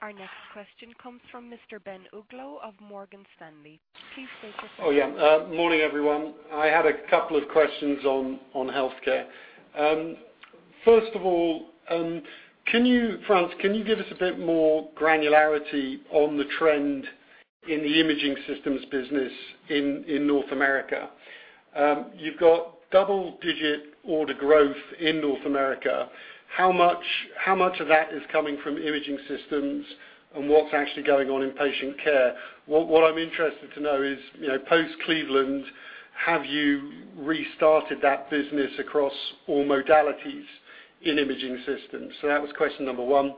Our next question comes from Mr. Ben Uglow of Morgan Stanley. Please state your name. Oh, yeah. Morning, everyone. I had a couple of questions on healthcare. First of all, Frans, can you give us a bit more granularity on the trend in the imaging systems business in North America? You've got double-digit order growth in North America. How much of that is coming from imaging systems, and what's actually going on in patient care? What I'm interested to know is, post-Cleveland, have you restarted that business across all modalities in imaging systems? That was question number 1.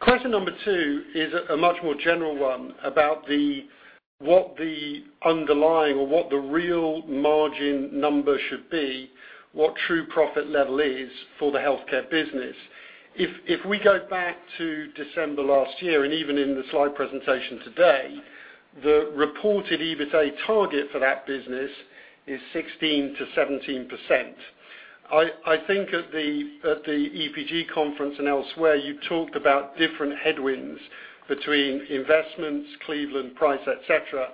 Question number 2 is a much more general one about what the underlying or what the real margin number should be, what true profit level is for the healthcare business. If we go back to December last year, and even in the slide presentation today, the reported EBITA target for that business is 16%-17%. I think at the EPG conference and elsewhere, you've talked about different headwinds between investments, Cleveland Price, et cetera.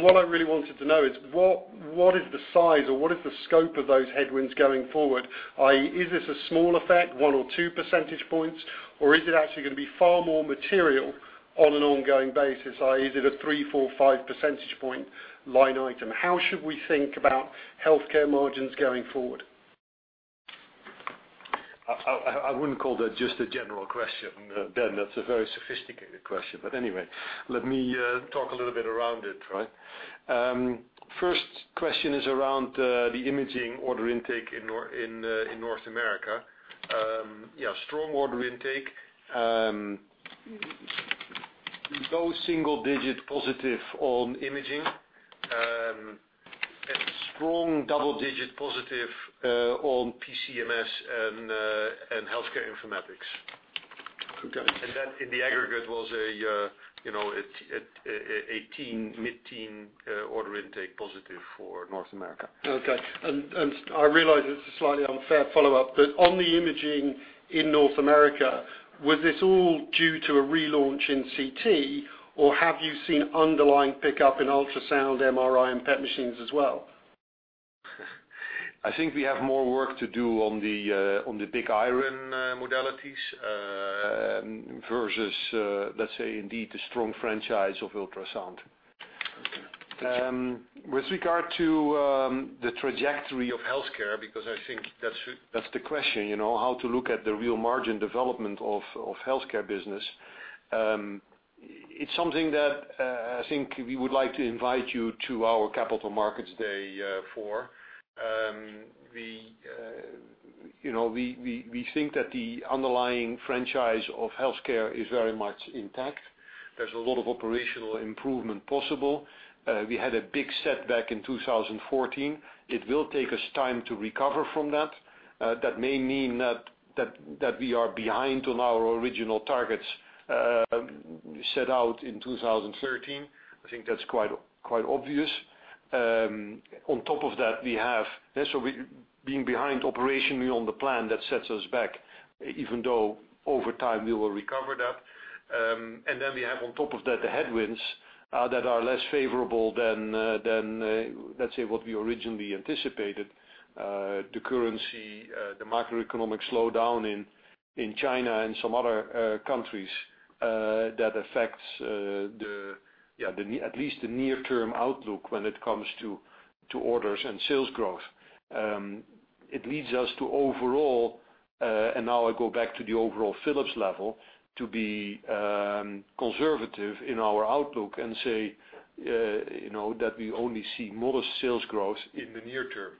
What I really wanted to know is what is the size or what is the scope of those headwinds going forward? Is this a small effect, 1 or 2 percentage points, or is it actually going to be far more material on an ongoing basis, i.e., is it a 3, 4, 5 percentage point line item? How should we think about healthcare margins going forward? I wouldn't call that just a general question, Ben. That's a very sophisticated question. Anyway, let me talk a little bit around it. First question is around the imaging order intake in North America. Yeah, strong order intake. Low single-digit positive on imaging, and strong double-digit positive on PCMS and healthcare informatics. Okay. That in the aggregate was a mid-teen order intake positive for North America. Okay. I realize it's a slightly unfair follow-up, but on the imaging in North America, was this all due to a relaunch in CT, or have you seen underlying pickup in ultrasound, MRI, and PET machines as well? I think we have more work to do on the big iron modalities, versus, let's say, indeed, the strong franchise of ultrasound. Okay. Thank you. With regard to the trajectory of healthcare, because I think that's the question, how to look at the real margin development of healthcare business. It's something that I think we would like to invite you to our Capital Markets Day for. We think that the underlying franchise of healthcare is very much intact. There's a lot of operational improvement possible. We had a big setback in 2014. It will take us time to recover from that. That may mean that we are behind on our original targets set out in 2013. I think that's quite obvious. On top of that, being behind operationally on the plan, that sets us back, even though over time we will recover that. Then we have on top of that, the headwinds that are less favorable than, let's say, what we originally anticipated. The currency, the macroeconomic slowdown in China and some other countries that affects at least the near term outlook when it comes to orders and sales growth. It leads us to overall, and now I go back to the overall Philips level, to be conservative in our outlook and say that we only see modest sales growth in the near term,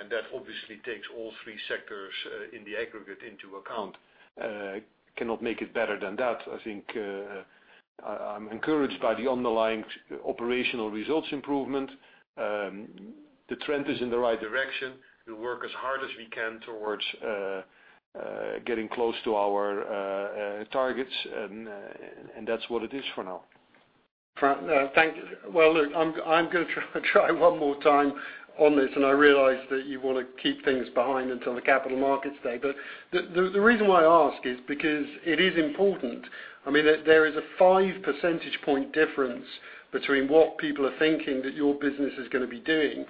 and that obviously takes all three sectors in the aggregate into account. Cannot make it better than that. I think I'm encouraged by the underlying operational results improvement. The trend is in the right direction. We work as hard as we can towards getting close to our targets, and that's what it is for now. Frans, thank you. Well, look, I'm going to try one more time on this. I realize that you want to keep things behind until the Capital Markets Day. The reason why I ask is because it is important. There is a five percentage point difference between what people are thinking that your business is going to be doing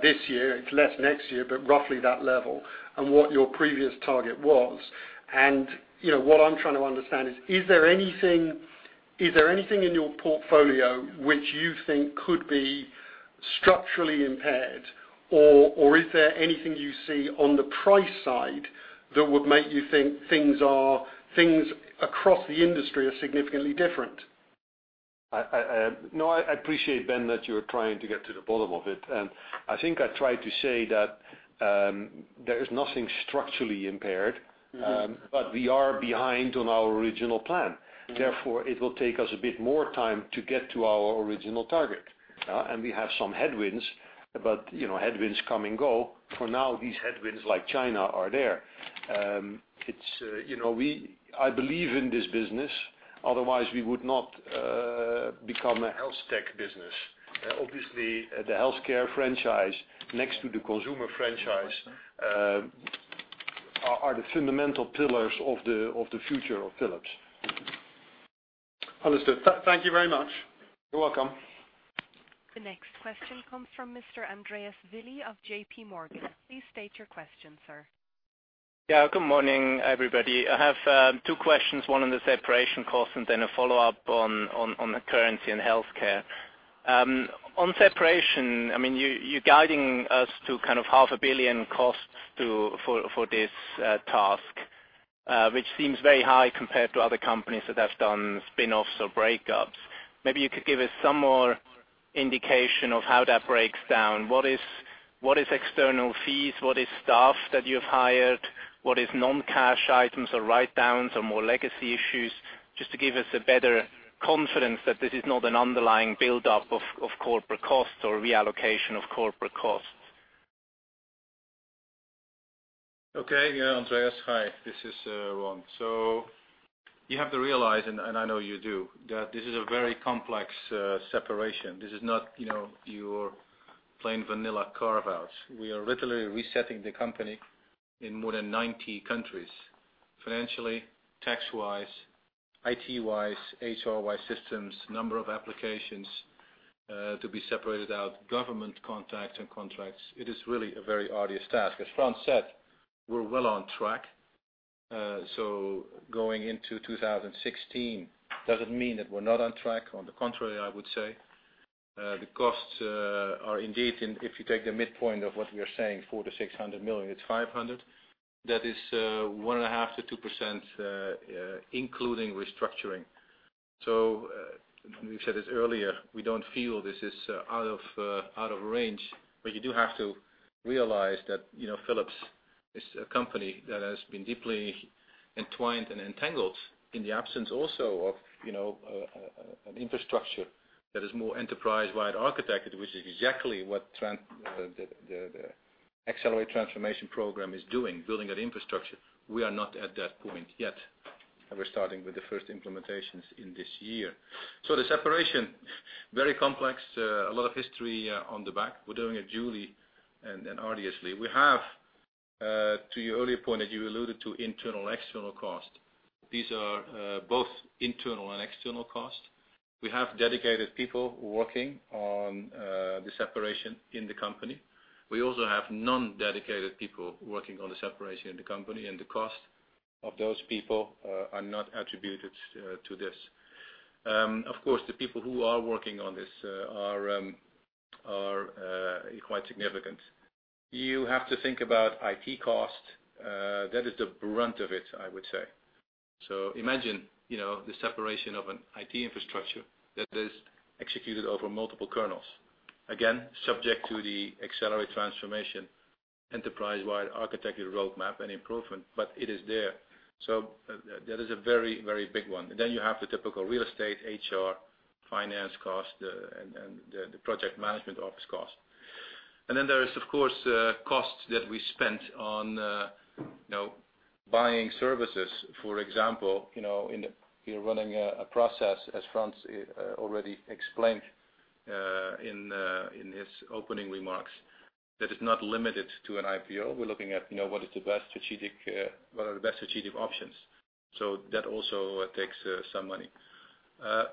this year, it's less next year, but roughly that level, and what your previous target was. What I'm trying to understand is there anything in your portfolio which you think could be structurally impaired, or is there anything you see on the price side that would make you think things across the industry are significantly different? No, I appreciate, Ben, that you're trying to get to the bottom of it. I think I tried to say that there is nothing structurally impaired. We are behind on our original plan. Therefore, it will take us a bit more time to get to our original target. We have some headwinds. Headwinds come and go. For now, these headwinds like China are there. I believe in this business, otherwise we would not become a HealthTech business. Obviously, the healthcare franchise next to the consumer franchise are the fundamental pillars of the future of Philips. Understood. Thank you very much. You're welcome. The next question comes from Mr. Andreas Willi of JP Morgan. Please state your question, sir. Good morning, everybody. I have two questions, one on the separation cost and then a follow-up on the currency and healthcare. On separation, you're guiding us to half a billion EUR costs for this task, which seems very high compared to other companies that have done spinoffs or breakups. Maybe you could give us some more indication of how that breaks down. What is external fees? What is staff that you've hired? What is non-cash items or write-downs or more legacy issues? Just to give us a better confidence that this is not an underlying buildup of corporate costs or reallocation of corporate costs. Andreas, hi. This is Ron. You have to realize, and I know you do, that this is a very complex separation. This is not your plain vanilla carve out. We are literally resetting the company in more than 90 countries, financially, tax-wise, IT-wise, HR-wide systems, number of applications to be separated out, government contacts and contracts. It is really a very arduous task. As Frans said, we're well on track. Going into 2016 doesn't mean that we're not on track. On the contrary, I would say. The costs are indeed, if you take the midpoint of what we are saying, 400 million-600 million, it's 500 million. That is 1.5%-2% including restructuring. We said it earlier, we don't feel this is out of range. You do have to realize that Philips is a company that has been deeply entwined and entangled in the absence also of an infrastructure that is more enterprise-wide architected, which is exactly what the Accelerate! Transformation program is doing, building that infrastructure. We are not at that point yet. We're starting with the first implementations in this year. The separation, very complex. A lot of history on the back. We're doing it duly and arduously. To your earlier point that you alluded to internal, external costs. These are both internal and external costs. We have dedicated people working on the separation in the company. We also have non-dedicated people working on the separation in the company, and the costs of those people are not attributed to this. Of course, the people who are working on this are Are quite significant. You have to think about IT costs. That is the brunt of it, I would say. Imagine, the separation of an IT infrastructure that is executed over multiple kernels. Again, subject to the Accelerate! Transformation enterprise-wide architecture roadmap and improvement, but it is there. That is a very big one. You have the typical real estate, HR, finance costs, and the project management office costs. There is, of course, costs that we spent on buying services, for example, in running a process, as Frans already explained in his opening remarks, that is not limited to an IPO. We're looking at what are the best strategic options. That also takes some money.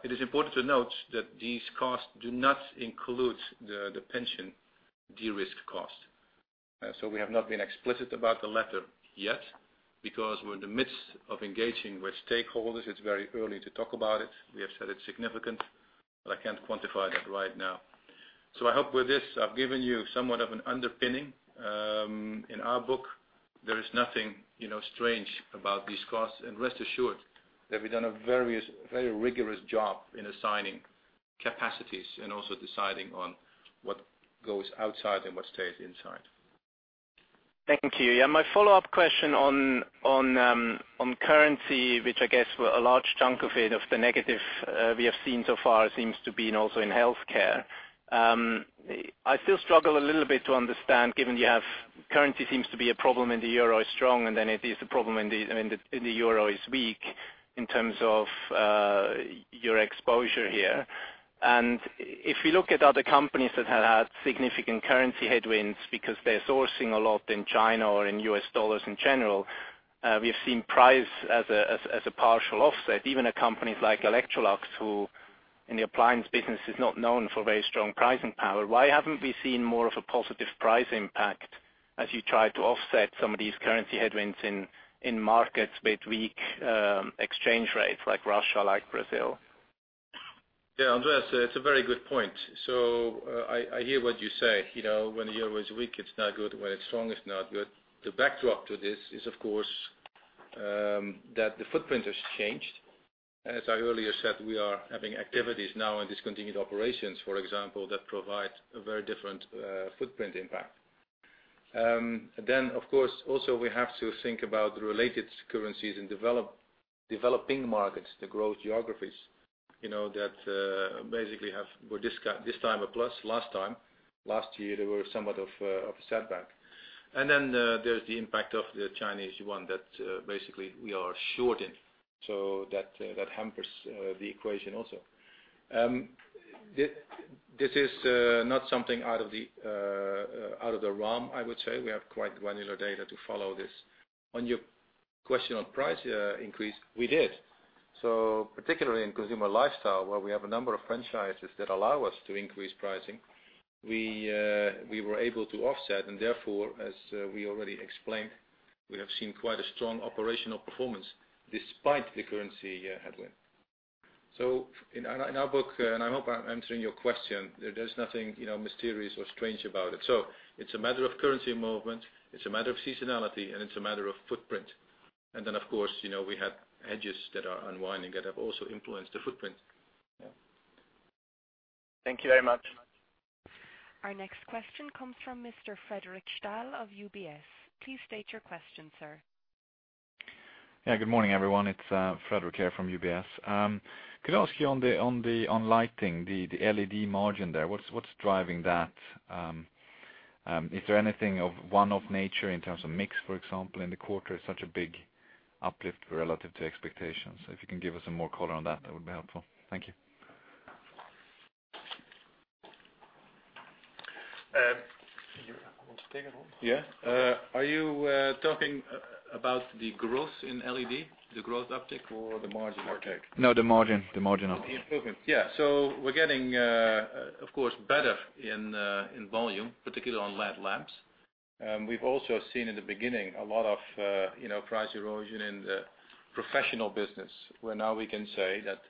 It is important to note that these costs do not include the pension de-risk costs. We have not been explicit about the latter yet, because we're in the midst of engaging with stakeholders. It's very early to talk about it. We have said it's significant, but I can't quantify that right now. I hope with this, I've given you somewhat of an underpinning. In our book, there is nothing strange about these costs. Rest assured that we've done a very rigorous job in assigning capacities and also deciding on what goes outside and what stays inside. Thank you. My follow-up question on currency, which I guess a large chunk of it, of the negative we have seen so far seems to be in also in healthcare. I still struggle a little bit to understand, given you have currency seems to be a problem when the Euro is strong, and then it is a problem when the Euro is weak in terms of your exposure here. If you look at other companies that have had significant currency headwinds because they're sourcing a lot in China or in US dollars in general, we've seen price as a partial offset, even a company like Electrolux, who in the appliance business is not known for very strong pricing power. Why haven't we seen more of a positive price impact as you try to offset some of these currency headwinds in markets with weak exchange rates like Russia, like Brazil? Andreas, it's a very good point. I hear what you say. When the Euro is weak, it's not good, when it's strong, it's not good. The backdrop to this is, of course, that the footprint has changed. As I earlier said, we are having activities now in Discontinued Operations, for example, that provide a very different footprint impact. Of course, also we have to think about the related currencies in developing markets, the growth geographies. That basically were this time a plus. Last time, last year, they were somewhat of a setback. There's the impact of the Chinese Yuan that basically we are short in. That hampers the equation also. This is not something out of the realm, I would say. We have quite granular data to follow this. On your question on price increase, we did. Particularly in Consumer Lifestyle, where we have a number of franchises that allow us to increase pricing, we were able to offset, and therefore, as we already explained, we have seen quite a strong operational performance despite the currency headwind. In our book, and I hope I'm answering your question, there's nothing mysterious or strange about it. It's a matter of currency movement, it's a matter of seasonality, and it's a matter of footprint. Then, of course, we had hedges that are unwinding that have also influenced the footprint. Thank you very much. Our next question comes from Mr. Fredric Stahl of UBS. Please state your question, sir. Yeah. Good morning, everyone. It's Fredric here from UBS. Could I ask you on lighting, the LED margin there, what's driving that? Is there anything of one-off nature in terms of mix, for example, in the quarter? Such a big uplift relative to expectations? If you can give us some more color on that would be helpful. Thank you. You want to take it home? Yeah. Are you talking about the growth in LED, the growth uptick, or the margin uptick? No, the margin. The margin. The improvement. Yeah. We're getting, of course, better in volume, particularly on LED lamps. We've also seen in the beginning, a lot of price erosion in the professional business, where now we can say that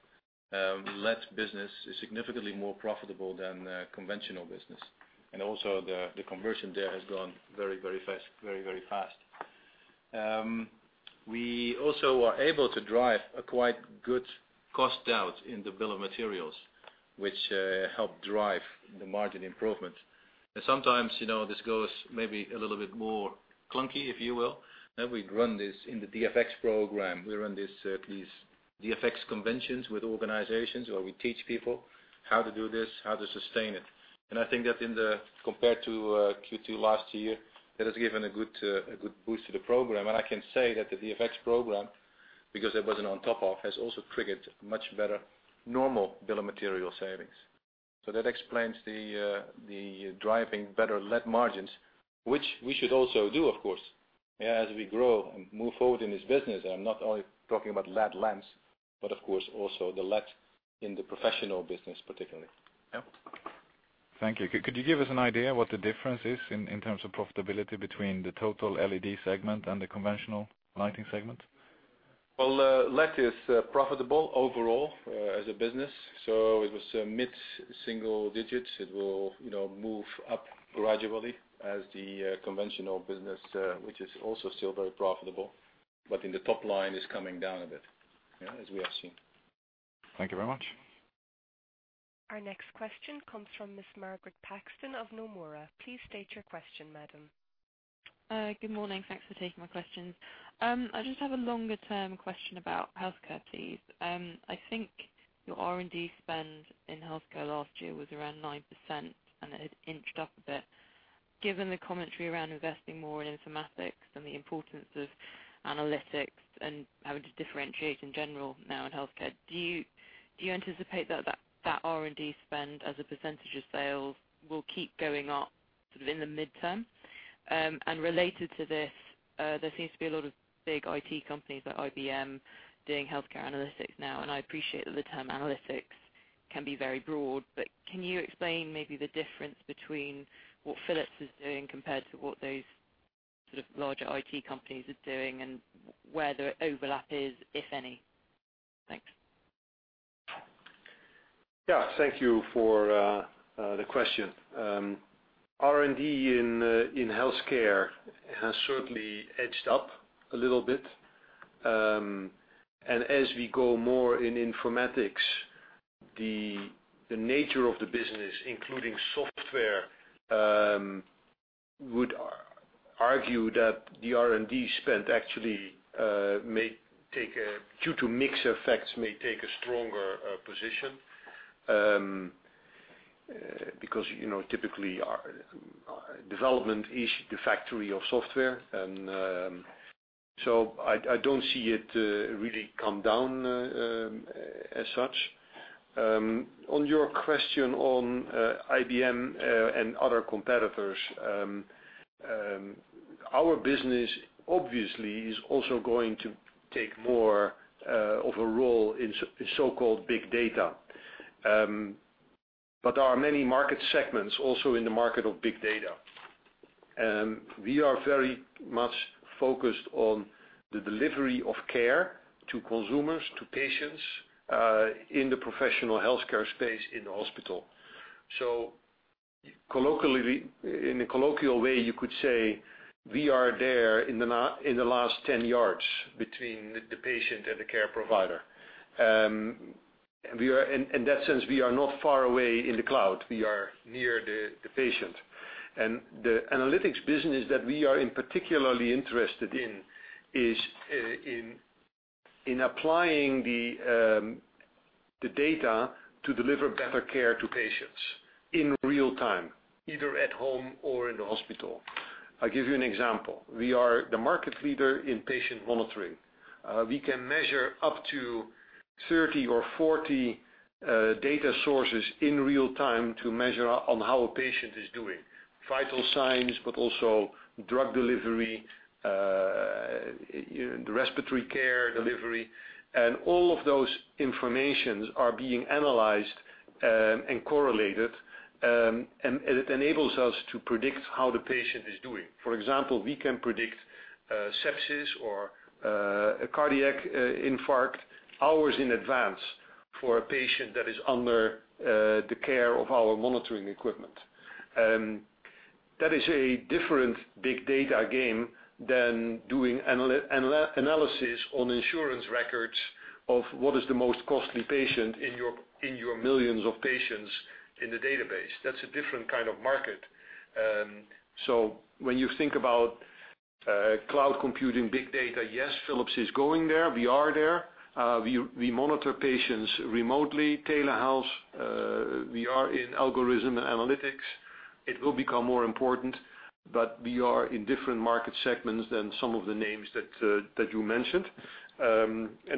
LED business is significantly more profitable than conventional business. Also the conversion there has gone very fast. We also are able to drive a quite good cost out in the bill of materials, which help drive the margin improvement. Sometimes, this goes maybe a little bit more clunky, if you will. We run this in the DFX program. We run these DFX conventions with organizations where we teach people how to do this, how to sustain it. I think that compared to Q2 last year, that has given a good boost to the program. I can say that the DFX program, because that wasn't on top of, has also triggered much better normal bill of material savings. That explains the driving better LED margins, which we should also do, of course, as we grow and move forward in this business. I'm not only talking about LED lamps, but of course also the LED in the professional business particularly. Yeah. Thank you. Could you give us an idea what the difference is in terms of profitability between the total LED segment and the conventional lighting segment? Well, Lighting is profitable overall as a business. It was mid-single digits. It will move up gradually as the conventional business, which is also still very profitable, but in the top line is coming down a bit, as we have seen. Thank you very much. Our next question comes from Ms. Margaret Paxton of Nomura. Please state your question, madam. Good morning. Thanks for taking my questions. I just have a longer-term question about healthcare, please. I think your R&D spend in healthcare last year was around 9%, and it has inched up a bit. Given the commentary around investing more in informatics and the importance of analytics and having to differentiate in general now in healthcare, do you anticipate that that R&D spend as a percentage of sales will keep going up in the midterm? Related to this, there seems to be a lot of big IT companies like IBM doing healthcare analytics now, and I appreciate that the term analytics can be very broad, but can you explain maybe the difference between what Philips is doing compared to what those sort of larger IT companies are doing and where their overlap is, if any? Thanks. Yeah. Thank you for the question. R&D in healthcare has certainly edged up a little bit. As we go more in informatics, the nature of the business, including software, would argue that the R&D spend actually, due to mix effects, may take a stronger position, because typically, development is the factory of software. I don't see it really come down as such. On your question on IBM and other competitors, our business obviously is also going to take more of a role in so-called big data. There are many market segments also in the market of big data. We are very much focused on the delivery of care to consumers, to patients, in the professional healthcare space in the hospital. In the colloquial way, you could say we are there in the last 10 yards between the patient and the care provider. In that sense, we are not far away in the cloud. We are near the patient. The analytics business that we are particularly interested in is in applying the data to deliver better care to patients in real time, either at home or in the hospital. I'll give you an example. We are the market leader in patient monitoring. We can measure up to 30 or 40 data sources in real time to measure on how a patient is doing. Vital signs, but also drug delivery, the respiratory care delivery. All of those informations are being analyzed and correlated, and it enables us to predict how the patient is doing. For example, we can predict sepsis or a cardiac infarct hours in advance for a patient that is under the care of our monitoring equipment. That is a different big data game than doing analysis on insurance records of what is the most costly patient in your millions of patients in the database. That's a different kind of market. When you think about cloud computing, big data, yes, Philips is going there. We are there. We monitor patients remotely, telehealth. We are in algorithm analytics. It will become more important, but we are in different market segments than some of the names that you mentioned.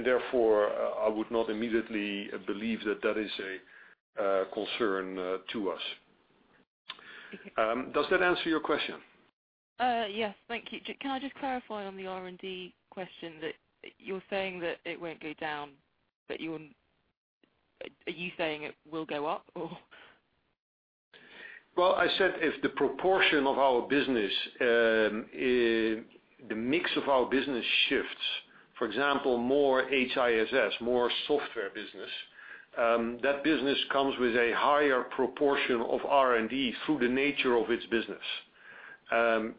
Therefore, I would not immediately believe that that is a concern to us. Does that answer your question? Yes. Thank you. Can I just clarify on the R&D question that you're saying that it won't go down, but are you saying it will go up, or? Well, I said if the proportion of our business, the mix of our business shifts, for example, more HISS, more software business, that business comes with a higher proportion of R&D through the nature of its business,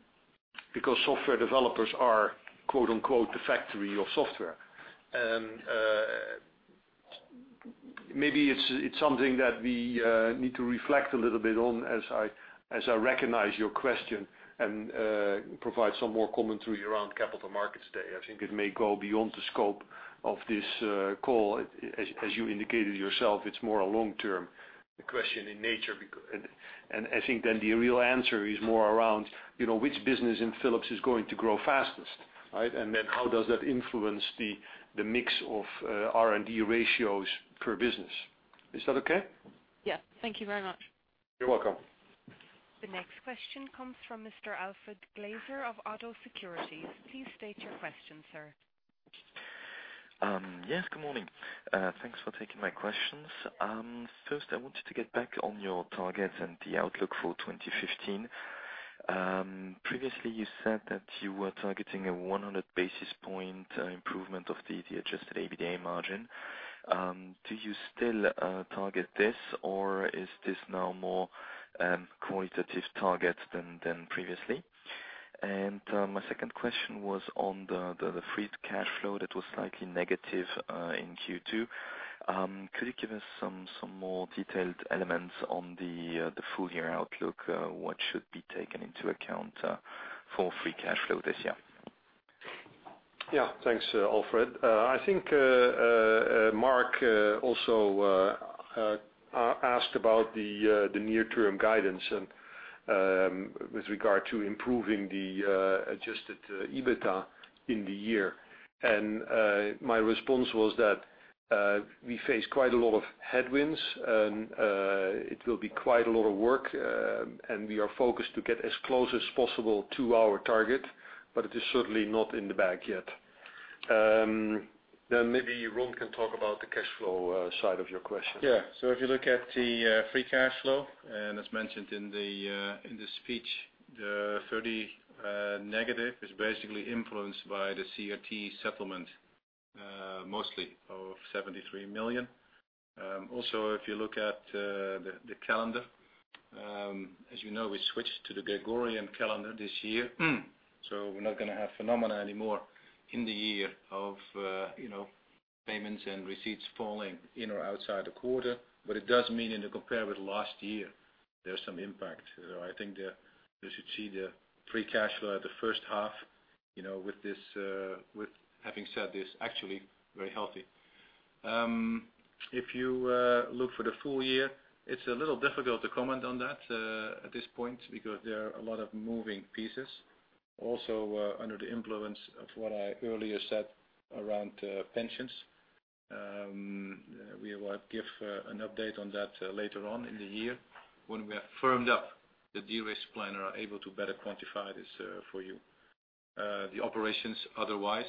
because software developers are "the factory of software." Maybe it's something that we need to reflect a little bit on as I recognize your question and provide some more commentary around Capital Markets Day. I think it may go beyond the scope of this call. As you indicated yourself, it's more a long-term question in nature. I think then the real answer is more around which business in Philips is going to grow fastest, right? Then how does that influence the mix of R&D ratios per business. Is that okay? Yeah. Thank you very much. You're welcome. The next question comes from Mr. Alfred Glaser of Oddo Securities. Please state your question, sir. Yes, good morning. Thanks for taking my questions. First I wanted to get back on your targets and the outlook for 2015. Previously, you said that you were targeting a 100 basis point improvement of the adjusted EBITDA margin. Do you still target this, or is this now more qualitative target than previously? My second question was on the free cash flow that was slightly negative in Q2. Could you give us some more detailed elements on the full year outlook? What should be taken into account for free cash flow this year? Yeah. Thanks, Alfred. I think Mark also asked about the near-term guidance with regard to improving the adjusted EBITDA in the year. My response was that we face quite a lot of headwinds and it will be quite a lot of work, and we are focused to get as close as possible to our target, but it is certainly not in the bag yet. Maybe Ron can talk about the cash flow side of your question. Yeah. If you look at the free cash flow, as mentioned in the speech, the 30 negative is basically influenced by the CRT settlement mostly of 73 million. Also, if you look at the calendar, as you know, we switched to the Gregorian calendar this year, so we're not going to have phenomena anymore in the year of payments and receipts falling in or outside the quarter. It does mean in a compare with last year, there's some impact. I think that you should see the free cash flow at the first half, with having said this, actually very healthy. If you look for the full year, it's a little difficult to comment on that at this point because there are a lot of moving pieces. Also under the influence of what I earlier said around pensions. We will give an update on that later on in the year when we have firmed up the de-risk plan, are able to better quantify this for you. The operations otherwise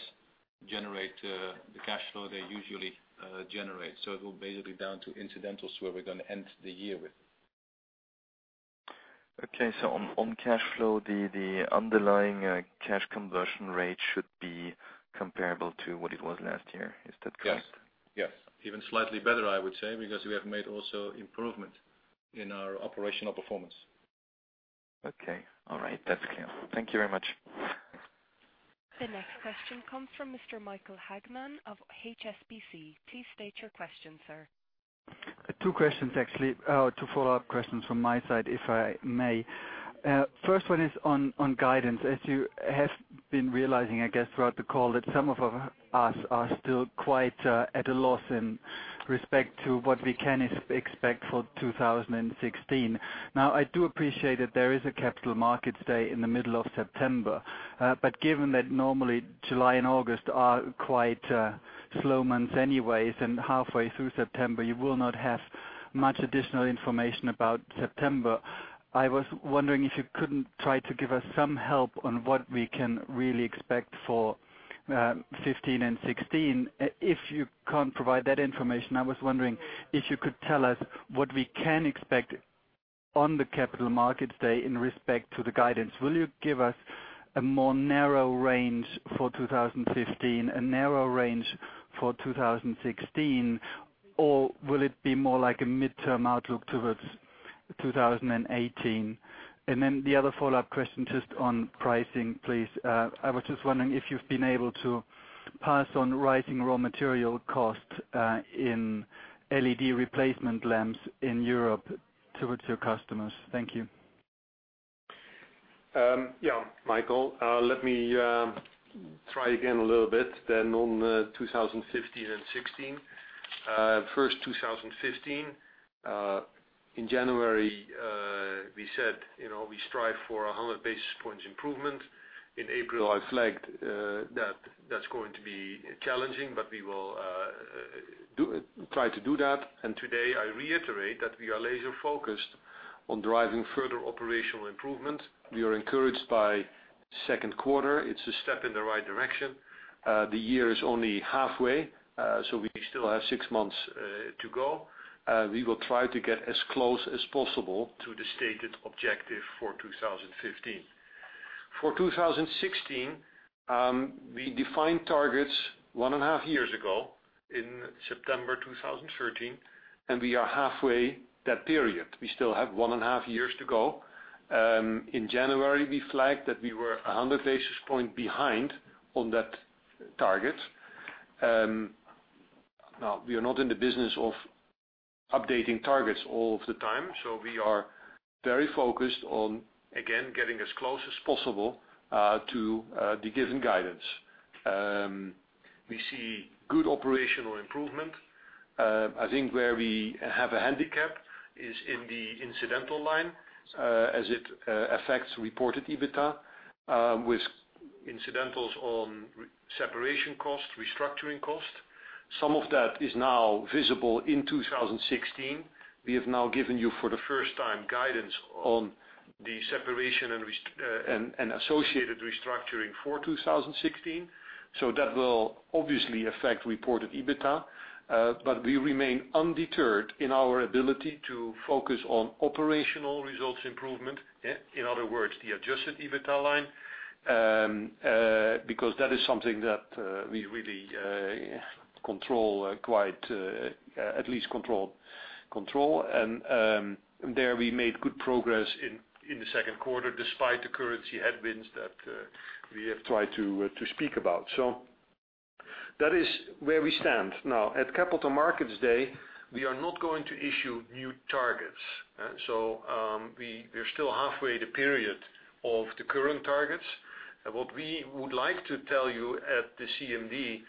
generate the cash flow they usually generate. It will basically be down to incidentals where we're going to end the year with. Okay, on cash flow, the underlying cash conversion rate should be comparable to what it was last year. Is that correct? Yes. Even slightly better, I would say, because we have made also improvement in our operational performance. Okay. All right. That's clear. Thank you very much. The next question comes from Mr. Michael Hagmann of HSBC. Please state your question, sir. Two questions actually. Two follow-up questions from my side, if I may. First one is on guidance. As you have been realizing, I guess, throughout the call, that some of us are still quite at a loss in respect to what we can expect for 2016. I do appreciate that there is a Capital Markets Day in the middle of September. Given that normally July and August are quite slow months anyways, and halfway through September, you will not have much additional information about September. I was wondering if you couldn't try to give us some help on what we can really expect for 2015 and 2016. If you can't provide that information, I was wondering if you could tell us what we can expect on the Capital Markets Day in respect to the guidance. Will you give us a more narrow range for 2015, a narrow range for 2016, or will it be more like a midterm outlook towards 2018? The other follow-up question just on pricing, please. I was just wondering if you've been able to pass on rising raw material costs in LED replacement lamps in Europe towards your customers. Thank you. Yeah, Michael, let me try again a little bit then on 2015 and 2016. First 2015, in January, we said we strive for 100 basis points improvement. In April, I flagged that that's going to be challenging, but we will try to do that. Today, I reiterate that we are laser focused on driving further operational improvement. We are encouraged by second quarter. It's a step in the right direction. The year is only halfway, we still have six months to go. We will try to get as close as possible to the stated objective for 2015. For 2016, we defined targets one and a half years ago in September 2013, we are halfway that period. We still have one and a half years to go. In January, we flagged that we were 100 basis point behind on that target. We are not in the business of updating targets all of the time, we are very focused on, again, getting as close as possible to the given guidance. We see good operational improvement. I think where we have a handicap is in the incidental line, as it affects reported EBITDA, with incidentals on separation cost, restructuring cost. Some of that is now visible in 2016. We have now given you, for the first time, guidance on the separation and associated restructuring for 2016. That will obviously affect reported EBITDA, but we remain undeterred in our ability to focus on operational results improvement. In other words, the adjusted EBITDA line. That is something that we really control, at least control. There we made good progress in the second quarter despite the currency headwinds that we have tried to speak about. That is where we stand. At Capital Markets Day, we are not going to issue new targets. We're still halfway the period of the current targets. What we would like to tell you at the CMD is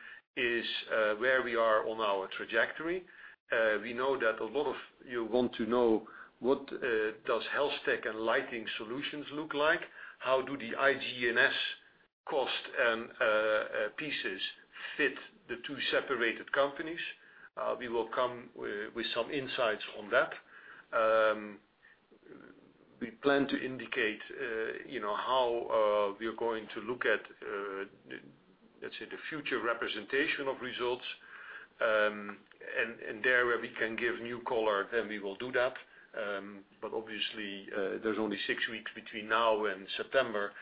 where we are on our trajectory. We know that a lot of you want to know what does HealthTech and Lighting Solutions look like? How do the IG&S cost pieces fit the two separated companies? We will come with some insights on that. We plan to indicate how we are going to look at, let's say, the future representation of results, and there where we can give new color, then we will do that. Obviously, there's only six weeks between now and September.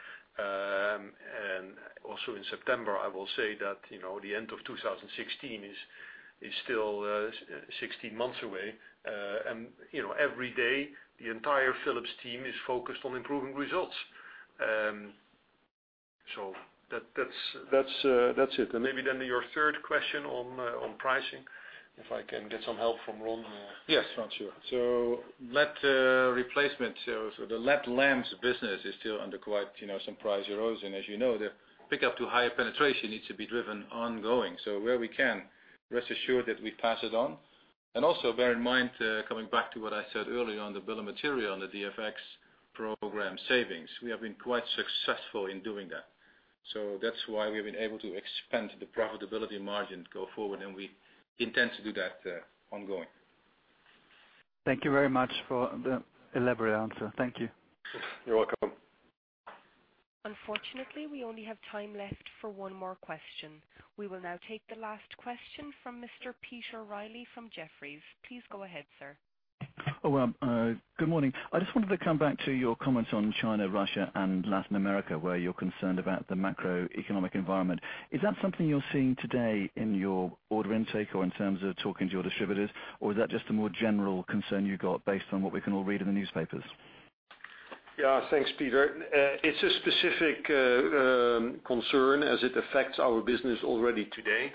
Also in September, I will say that, the end of 2016 is still 16 months away. Every day the entire Philips team is focused on improving results. That's it. Maybe then to your third question on pricing. If I can get some help from Ron. Yes. LED replacement. The LED lamps business is still under quite some price erosion. As you know, the pickup to higher penetration needs to be driven ongoing. Where we can, rest assured that we pass it on. Also bear in mind, coming back to what I said earlier on the bill of material and the DFX program savings, we have been quite successful in doing that. That's why we've been able to expand the profitability margin go forward, and we intend to do that ongoing. Thank you very much for the elaborate answer. Thank you. You're welcome. Unfortunately, we only have time left for one more question. We will now take the last question from Mr. Peter Reilly from Jefferies. Please go ahead, sir. Well, good morning. I just wanted to come back to your comments on China, Russia, and Latin America, where you're concerned about the macroeconomic environment. Is that something you're seeing today in your order intake or in terms of talking to your distributors? Or is that just a more general concern you got based on what we can all read in the newspapers? Thanks, Peter. It's a specific concern as it affects our business already today.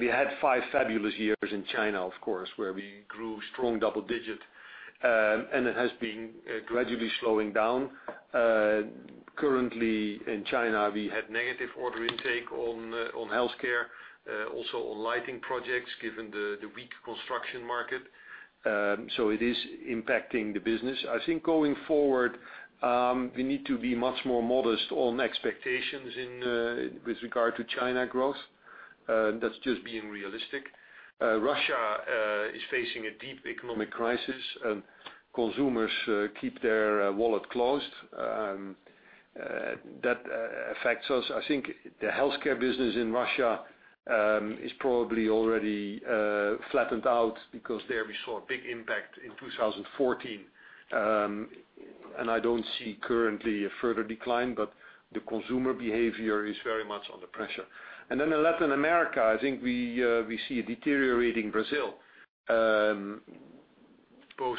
We had five fabulous years in China, of course, where we grew strong double digit, and it has been gradually slowing down. Currently in China, we had negative order intake on healthcare, also on lighting projects, given the weak construction market. It is impacting the business. I think going forward, we need to be much more modest on expectations with regard to China growth. That's just being realistic. Russia is facing a deep economic crisis, consumers keep their wallet closed. That affects us. I think the healthcare business in Russia is probably already flattened out because there we saw a big impact in 2014. I don't see currently a further decline, but the consumer behavior is very much under pressure. In Latin America, I think we see a deteriorating Brazil, both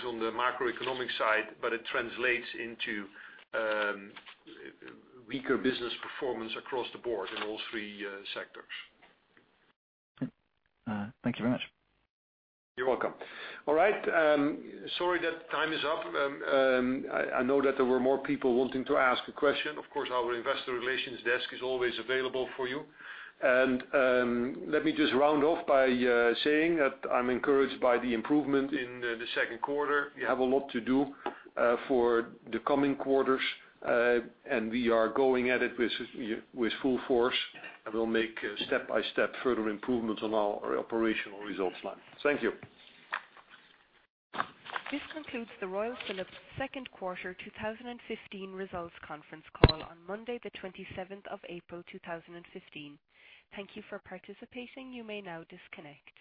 on the macroeconomic side, but it translates into weaker business performance across the board in all three sectors. Thank you very much. You're welcome. All right. Sorry that time is up. I know that there were more people wanting to ask a question. Of course, our investor relations desk is always available for you. Let me just round off by saying that I'm encouraged by the improvement in the second quarter. We have a lot to do for the coming quarters. We are going at it with full force, and we'll make step-by-step further improvements on our operational results line. Thank you. This concludes the Royal Philips second quarter 2015 results conference call on Monday, the 27th of April, 2015. Thank you for participating. You may now disconnect.